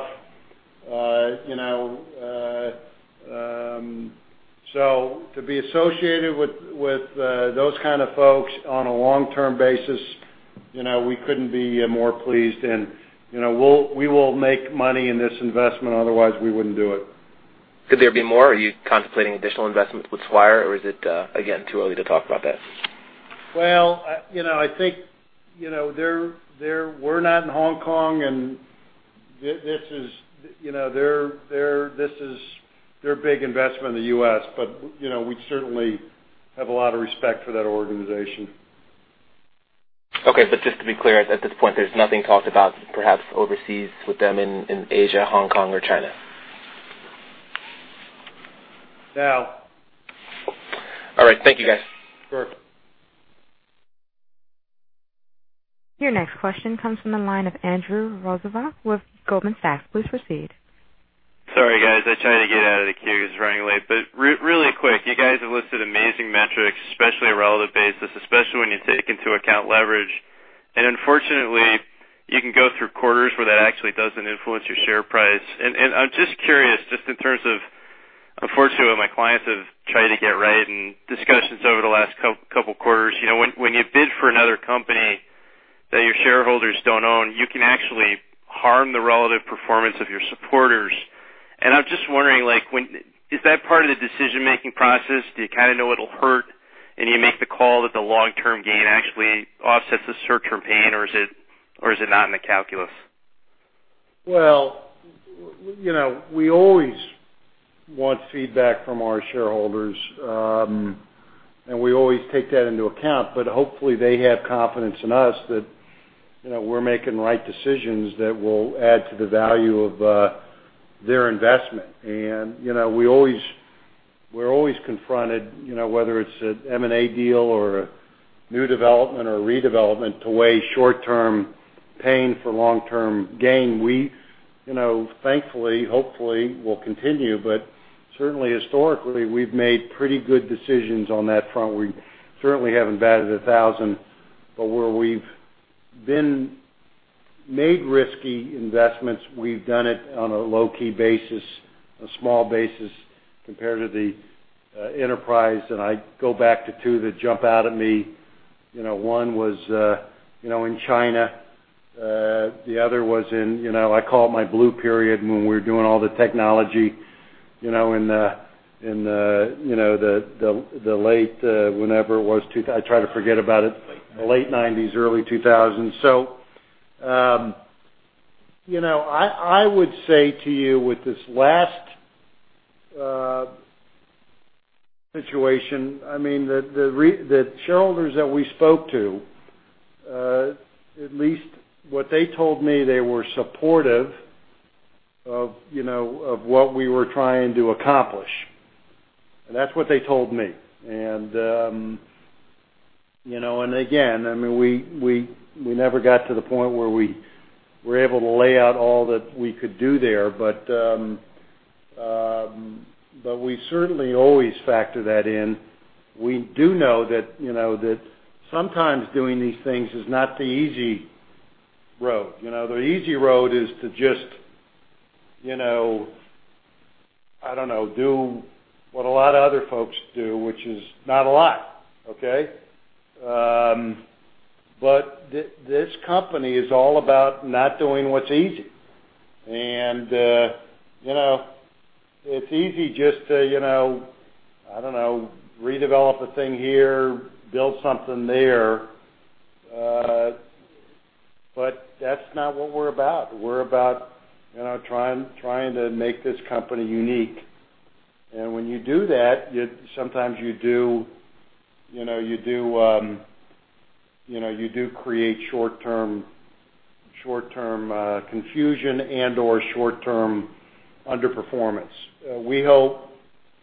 To be associated with those kind of folks on a long-term basis, we couldn't be more pleased. We will make money in this investment, otherwise we wouldn't do it.
Could there be more? Are you contemplating additional investments with Swire, or is it, again, too early to talk about that?
Well, I think we're not in Hong Kong, and this is their big investment in the U.S., but we certainly have a lot of respect for that organization.
Okay. Just to be clear, at this point, there's nothing talked about perhaps overseas with them in Asia, Hong Kong, or China?
No.
All right. Thank you, guys.
Sure.
Your next question comes from the line of Andrew Rosivach with Goldman Sachs. Please proceed.
Sorry, guys. I tried to get out of the queue because running late, really quick, you guys have listed amazing metrics, especially on a relative basis, especially when you take into account leverage. Unfortunately, you can go through quarters where that actually doesn't influence your share price. I'm just curious, just in terms of, unfortunately, what my clients have tried to get right and discussions over the last couple quarters. When you bid for another company that your shareholders don't own, you can actually harm the relative performance of your supporters. I'm just wondering, is that part of the decision-making process? Do you kind of know it'll hurt, and you make the call that the long-term gain actually offsets the short-term pain, or is it not in the calculus?
We always want feedback from our shareholders. We always take that into account, but hopefully, they have confidence in us that we are making right decisions that will add to the value of their investment. We are always confronted, whether it is an M&A deal or a new development or redevelopment to weigh short-term pain for long-term gain. We thankfully, hopefully, will continue, but certainly historically, we have made pretty good decisions on that front. We certainly have not batted 1,000, but where we have made risky investments, we have done it on a low-key basis, a small basis compared to the enterprise. I go back to two that jump out at me. One was in China, the other was in, I call it my blue period, when we were doing all the technology in the late, whenever it was.
Late
I try to forget about it.
Late.
The late '90s, early 2000s. I would say to you with this last situation, the shareholders that we spoke to, at least what they told me, they were supportive of what we were trying to accomplish. That is what they told me. Again, we never got to the point where we were able to lay out all that we could do there. We certainly always factor that in. We do know that sometimes doing these things is not the easy road. The easy road is to just, I do not know, do what a lot of other folks do, which is not a lot. Okay? This company is all about not doing what is easy. It is easy just to, I do not know, redevelop a thing here, build something there. That is not what we are about. We are about trying to make this company unique. When you do that, sometimes you do create short-term confusion and/or short-term underperformance.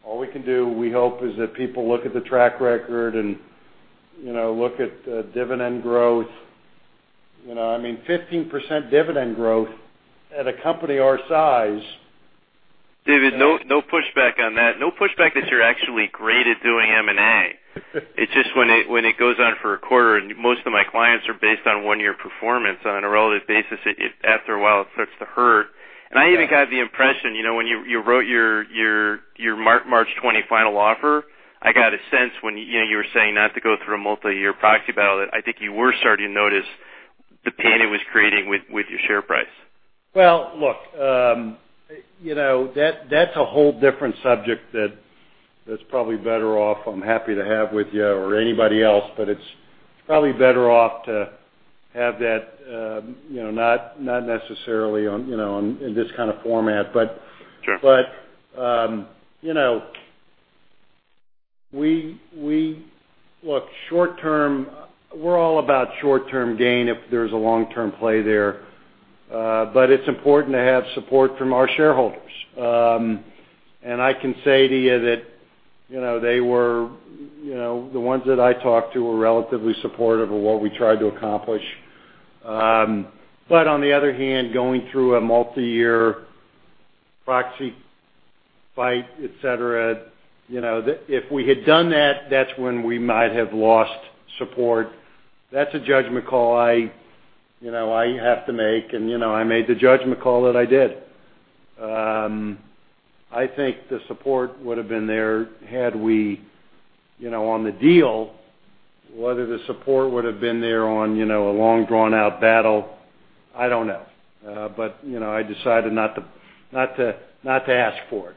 All we can do, we hope, is that people look at the track record and look at dividend growth. 15% dividend growth at a company our size.
David, no pushback on that. No pushback that you're actually great at doing M&A. It's just when it goes on for a quarter, most of my clients are based on one-year performance on a relative basis, after a while, it starts to hurt.
Yeah.
I even got the impression, when you wrote your March 20 final offer, I got a sense when you were saying not to go through a multi-year proxy battle, that I think you were starting to notice the pain it was creating with your share price.
Well, look, that's a whole different subject that's probably better off, I'm happy to have with you or anybody else, it's probably better off to have that not necessarily in this kind of format.
Sure
Look, we're all about short-term gain if there's a long-term play there. It's important to have support from our shareholders. I can say to you that the ones that I talked to were relatively supportive of what we tried to accomplish. On the other hand, going through a multi-year proxy fight, et cetera, if we had done that's when we might have lost support. That's a judgment call I have to make, and I made the judgment call that I did. I think the support would've been there had we, on the deal, whether the support would've been there on a long drawn-out battle, I don't know. I decided not to ask for it.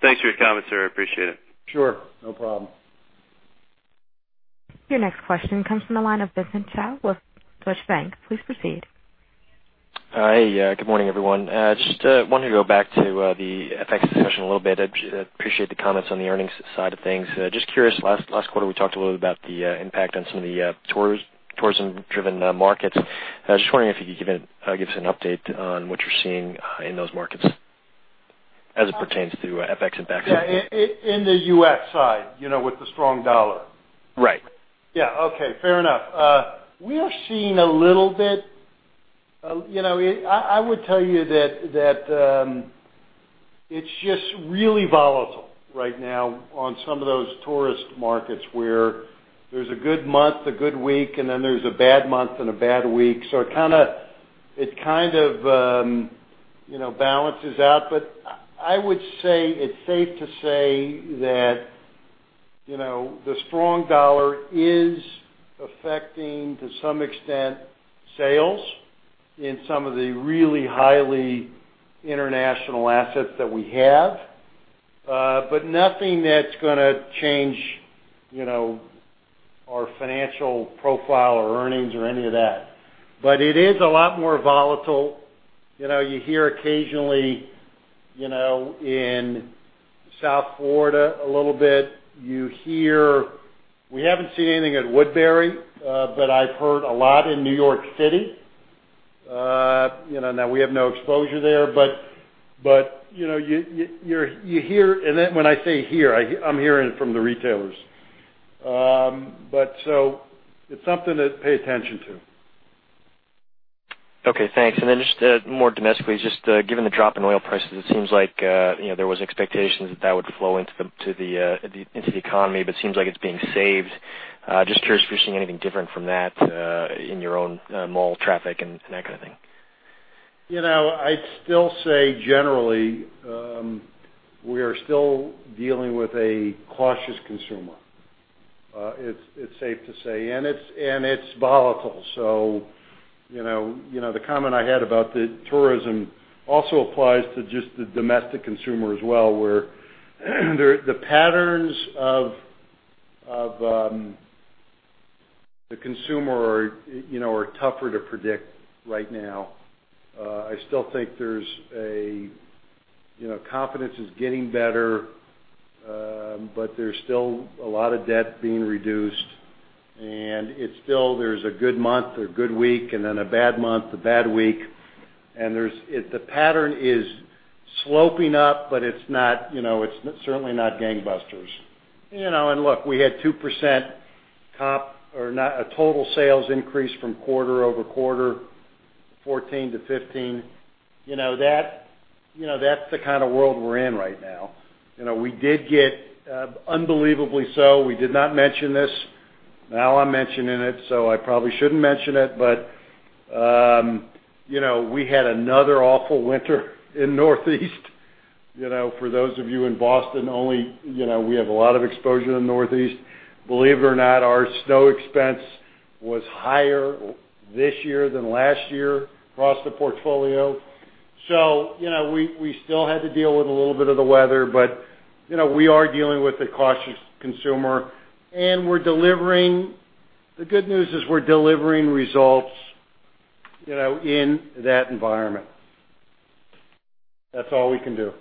Thanks for your comments, sir. I appreciate it.
Sure. No problem.
Your next question comes from the line of Vincent Chow with Swiss Bank. Please proceed.
Hey, good morning, everyone. Just wanted to go back to the FX discussion a little bit. Appreciate the comments on the earnings side of things. Just curious, last quarter, we talked a little bit about the impact on some of the tourism-driven markets. Just wondering if you could give us an update on what you're seeing in those markets as it pertains to FX impact.
Yeah. In the U.S. side, with the strong dollar.
Right.
Yeah. Okay. Fair enough. We are seeing a little bit I would tell you that it's just really volatile right now on some of those tourist markets where there's a good month, a good week, and then there's a bad month and a bad week. It kind of balances out. I would say it's safe to say that the strong dollar is affecting, to some extent, sales in some of the really highly international assets that we have. Nothing that's gonna change our financial profile or earnings or any of that. It is a lot more volatile. You hear occasionally, in South Florida a little bit. We haven't seen anything at Woodbury, but I've heard a lot in New York City. We have no exposure there, but you hear, and then when I say hear, I'm hearing it from the retailers. It's something to pay attention to.
Okay, thanks. Just more domestically, just given the drop in oil prices, it seems like there was expectations that that would flow into the economy, but it seems like it's being saved. Just curious if you're seeing anything different from that in your own mall traffic and that kind of thing?
I'd still say generally, we are still dealing with a cautious consumer. It's safe to say. It's volatile. The comment I had about the tourism also applies to just the domestic consumer as well, where the patterns of the consumer are tougher to predict right now. I still think confidence is getting better, but there's still a lot of debt being reduced, and there's a good month, a good week, and then a bad month, a bad week. The pattern is sloping up, but it's certainly not gangbusters. Look, we had 2% top or net total sales increase from quarter-over-quarter 2014 to 2015. That's the kind of world we're in right now. We did get, unbelievably so, we did not mention this. Now I'm mentioning it, so I probably shouldn't mention it, but we had another awful winter in Northeast. For those of you in Boston only, we have a lot of exposure to the Northeast. Believe it or not, our snow expense was higher this year than last year across the portfolio. We still had to deal with a little bit of the weather, but we are dealing with a cautious consumer, and the good news is we're delivering results in that environment. That's all we can do.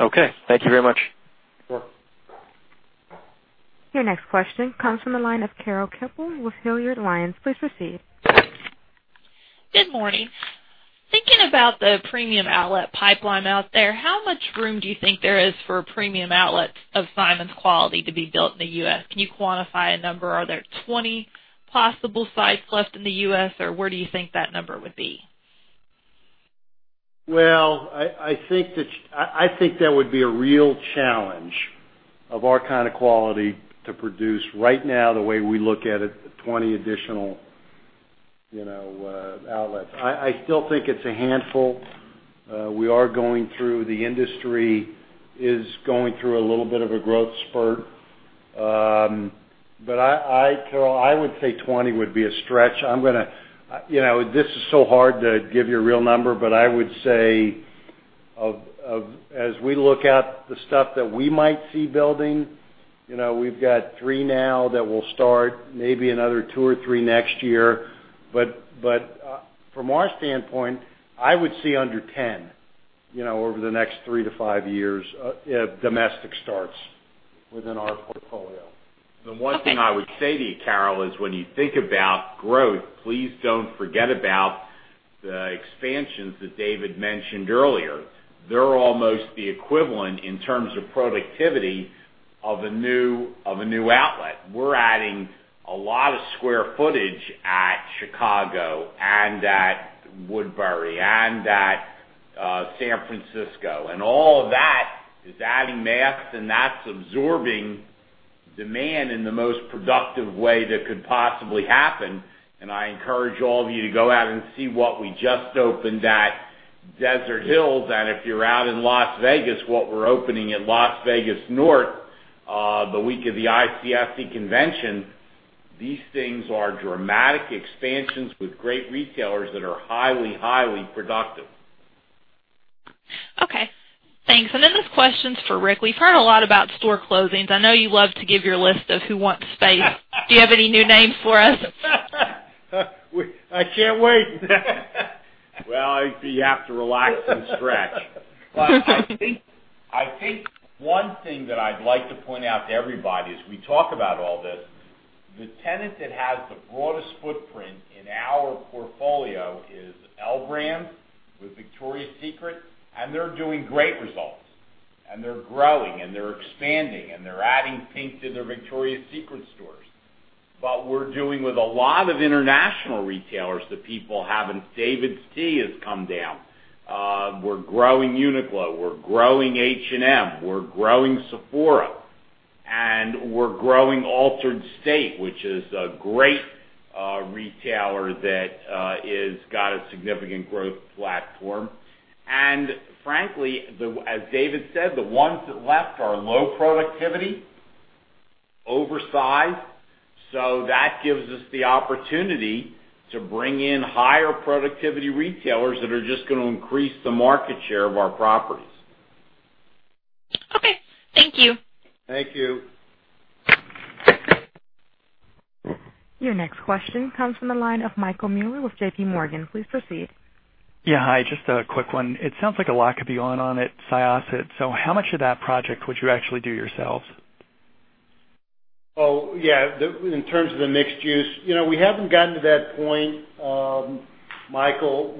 Okay. Thank you very much.
Sure.
Your next question comes from the line of Carol Kemple with Hilliard Lyons. Please proceed.
Good morning. Thinking about the premium outlet pipeline out there, how much room do you think there is for premium outlets of Simon's quality to be built in the U.S.? Can you quantify a number? Are there 20 possible sites left in the U.S., or where do you think that number would be?
Well, I think that would be a real challenge of our kind of quality to produce right now, the way we look at it, 20 additional outlets. I still think it's a handful. The industry is going through a little bit of a growth spurt. Carol, I would say 20 would be a stretch. This is so hard to give you a real number, but I would say, as we look at the stuff that we might see building, we've got three now that will start maybe another two or three next year. From our standpoint, I would see under 10 over the next three to five years, domestic starts within our portfolio.
The one thing-
Okay
I would say to you, Carol, is when you think about growth, please don't forget about the expansions that David mentioned earlier. They're almost the equivalent, in terms of productivity, of a new outlet. We're adding a lot of square footage at Chicago and at Woodbury and at San Francisco, and all of that is adding math, and that's absorbing demand in the most productive way that could possibly happen. I encourage all of you to go out and see what we just opened at Desert Hills. If you're out in Las Vegas, what we're opening at Las Vegas North, the week of the ICSC convention, these things are dramatic expansions with great retailers that are highly productive.
Okay. Thanks. Then this question's for Rick. We've heard a lot about store closings. I know you love to give your list of who wants space. Do you have any new names for us?
I can't wait.
Well, you have to relax and stretch. I think one thing that I'd like to point out to everybody as we talk about all this, the tenant that has the broadest footprint in our portfolio is L Brands with Victoria's Secret, and they're doing great results, and they're growing, and they're expanding, and they're adding PINK to their Victoria's Secret stores. We're dealing with a lot of international retailers, the people haven't-- DAVIDsTEA has come down. We're growing Uniqlo. We're growing H&M. We're growing Sephora. We're growing Altar'd State, which is a great retailer that has got a significant growth platform. Frankly, as David said, the ones that left are low productivity, oversized, that gives us the opportunity to bring in higher productivity retailers that are just going to increase the market share of our properties.
Okay. Thank you.
Thank you.
Your next question comes from the line of Michael Muller with JPMorgan. Please proceed.
Yeah. Hi. Just a quick one. It sounds like a lot could be going on at Syosset. How much of that project would you actually do yourselves?
Yeah. In terms of the mixed use, we haven't gotten to that point, Michael.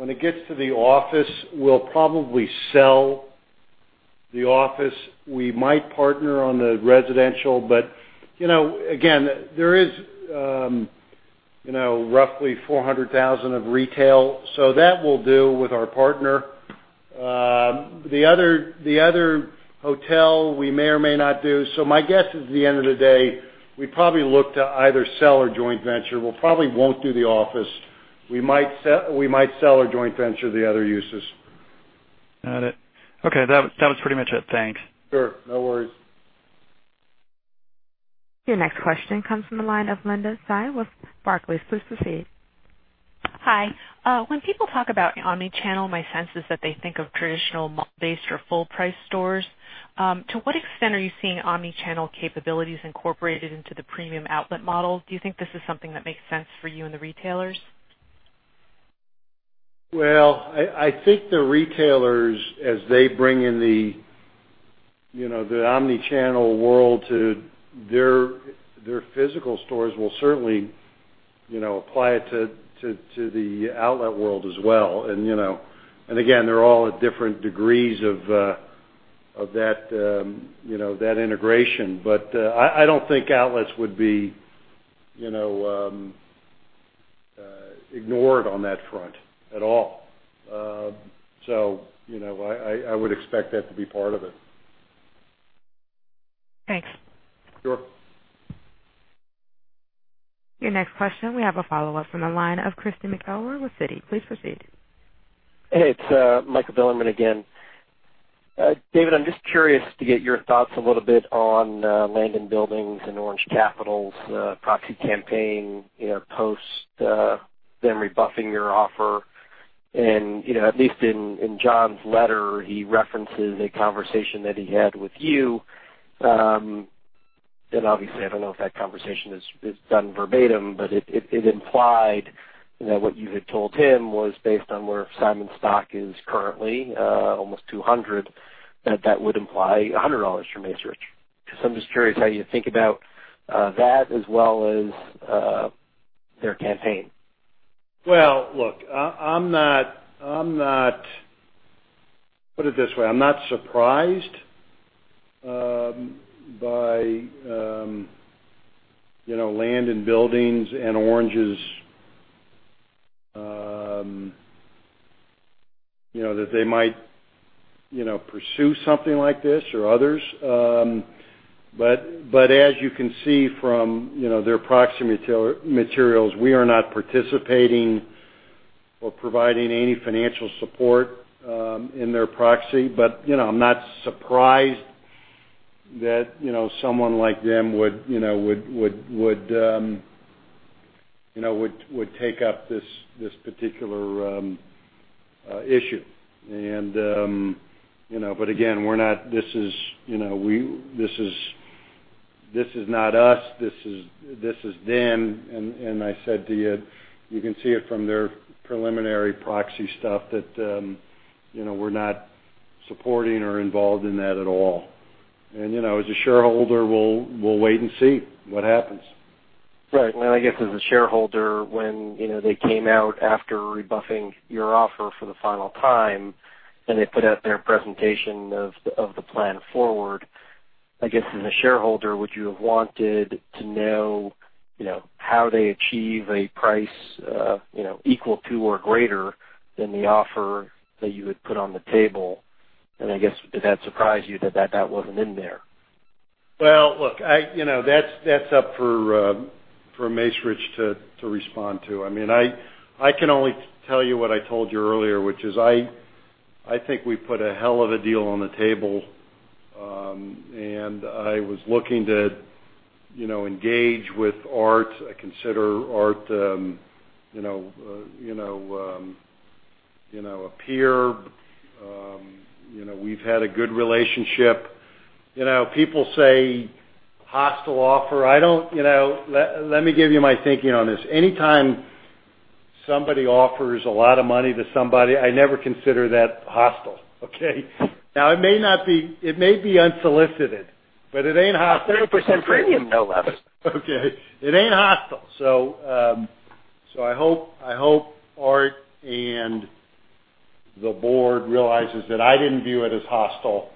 When it gets to the office, we'll probably sell the office. We might partner on the residential, but again, there is roughly 400,000 of retail, that we'll do with our partner. The other hotel, we may or may not do. My guess is the end of the day, we probably look to either sell or joint venture. We might sell our joint venture to the other uses.
Got it. Okay. That was pretty much it. Thanks.
Sure. No worries.
Your next question comes from the line of Linda Tsai with Barclays. Please proceed.
Hi. When people talk about omnichannel, my sense is that they think of traditional mall-based or full-price stores. To what extent are you seeing omnichannel capabilities incorporated into the premium outlet model? Do you think this is something that makes sense for you and the retailers?
Well, I think the retailers, as they bring in the omnichannel world to their physical stores, will certainly apply it to the outlet world as well. Again, they're all at different degrees of that integration. I don't think outlets would be ignored on that front at all. I would expect that to be part of it.
Thanks.
Sure.
Your next question, we have a follow-up from the line of Christy McElroy with Citi. Please proceed.
Hey, it's Michael Bilerman again. David, I'm just curious to get your thoughts a little bit on Land & Buildings and Orange Capital's proxy campaign, post them rebuffing your offer. At least in John's letter, he references a conversation that he had with you. Obviously, I don't know if that conversation is done verbatim, but it implied that what you had told him was based on where Simon's stock is currently, almost 200, that that would imply $100 for Macerich. I'm just curious how you think about that as well as their campaign.
Well, look, put it this way. I'm not surprised by Land & Buildings and Orange's That they might pursue something like this or others. As you can see from their proxy materials, we are not participating or providing any financial support in their proxy. I'm not surprised that someone like them would take up this particular issue. Again, this is not us. This is them. I said to you can see it from their preliminary proxy stuff that we're not supporting or involved in that at all. As a shareholder, we'll wait and see what happens.
Right. Well, I guess, as a shareholder, when they came out after rebuffing your offer for the final time, and they put out their presentation of the plan forward, I guess, as a shareholder, would you have wanted to know how they achieve a price equal to or greater than the offer that you had put on the table? I guess, did that surprise you that that wasn't in there?
Well, look, that's up for Macerich to respond to. I can only tell you what I told you earlier, which is, I think we put a hell of a deal on the table. I was looking to engage with Art. I consider Art a peer. We've had a good relationship. People say hostile offer. Let me give you my thinking on this. Anytime somebody offers a lot of money to somebody, I never consider that hostile. Okay? It may be unsolicited, but it ain't hostile.
30% premium, though,
Okay. It ain't hostile. I hope Art and the board realizes that I didn't view it as hostile.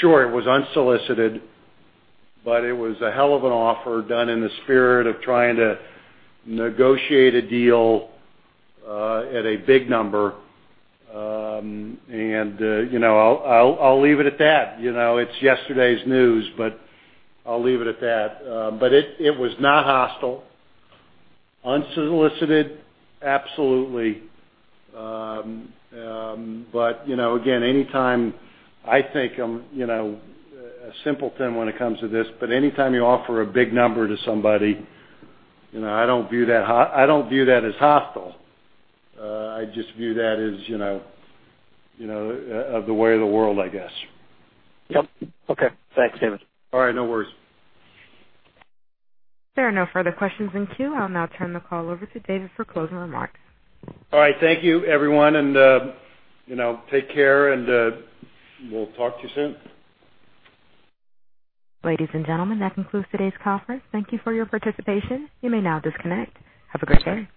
Sure, it was unsolicited, but it was a hell of an offer done in the spirit of trying to negotiate a deal at a big number. I'll leave it at that. It's yesterday's news, but I'll leave it at that. It was not hostile. Unsolicited, absolutely. Again, I think I'm a simpleton when it comes to this, but anytime you offer a big number to somebody, I don't view that as hostile. I just view that as of the way of the world, I guess.
Yep. Okay. Thanks, David.
All right. No worries.
There are no further questions in queue. I'll now turn the call over to David for closing remarks.
All right. Thank you, everyone, and take care, and we'll talk to you soon.
Ladies and gentlemen, that concludes today's conference. Thank you for your participation. You may now disconnect. Have a great day.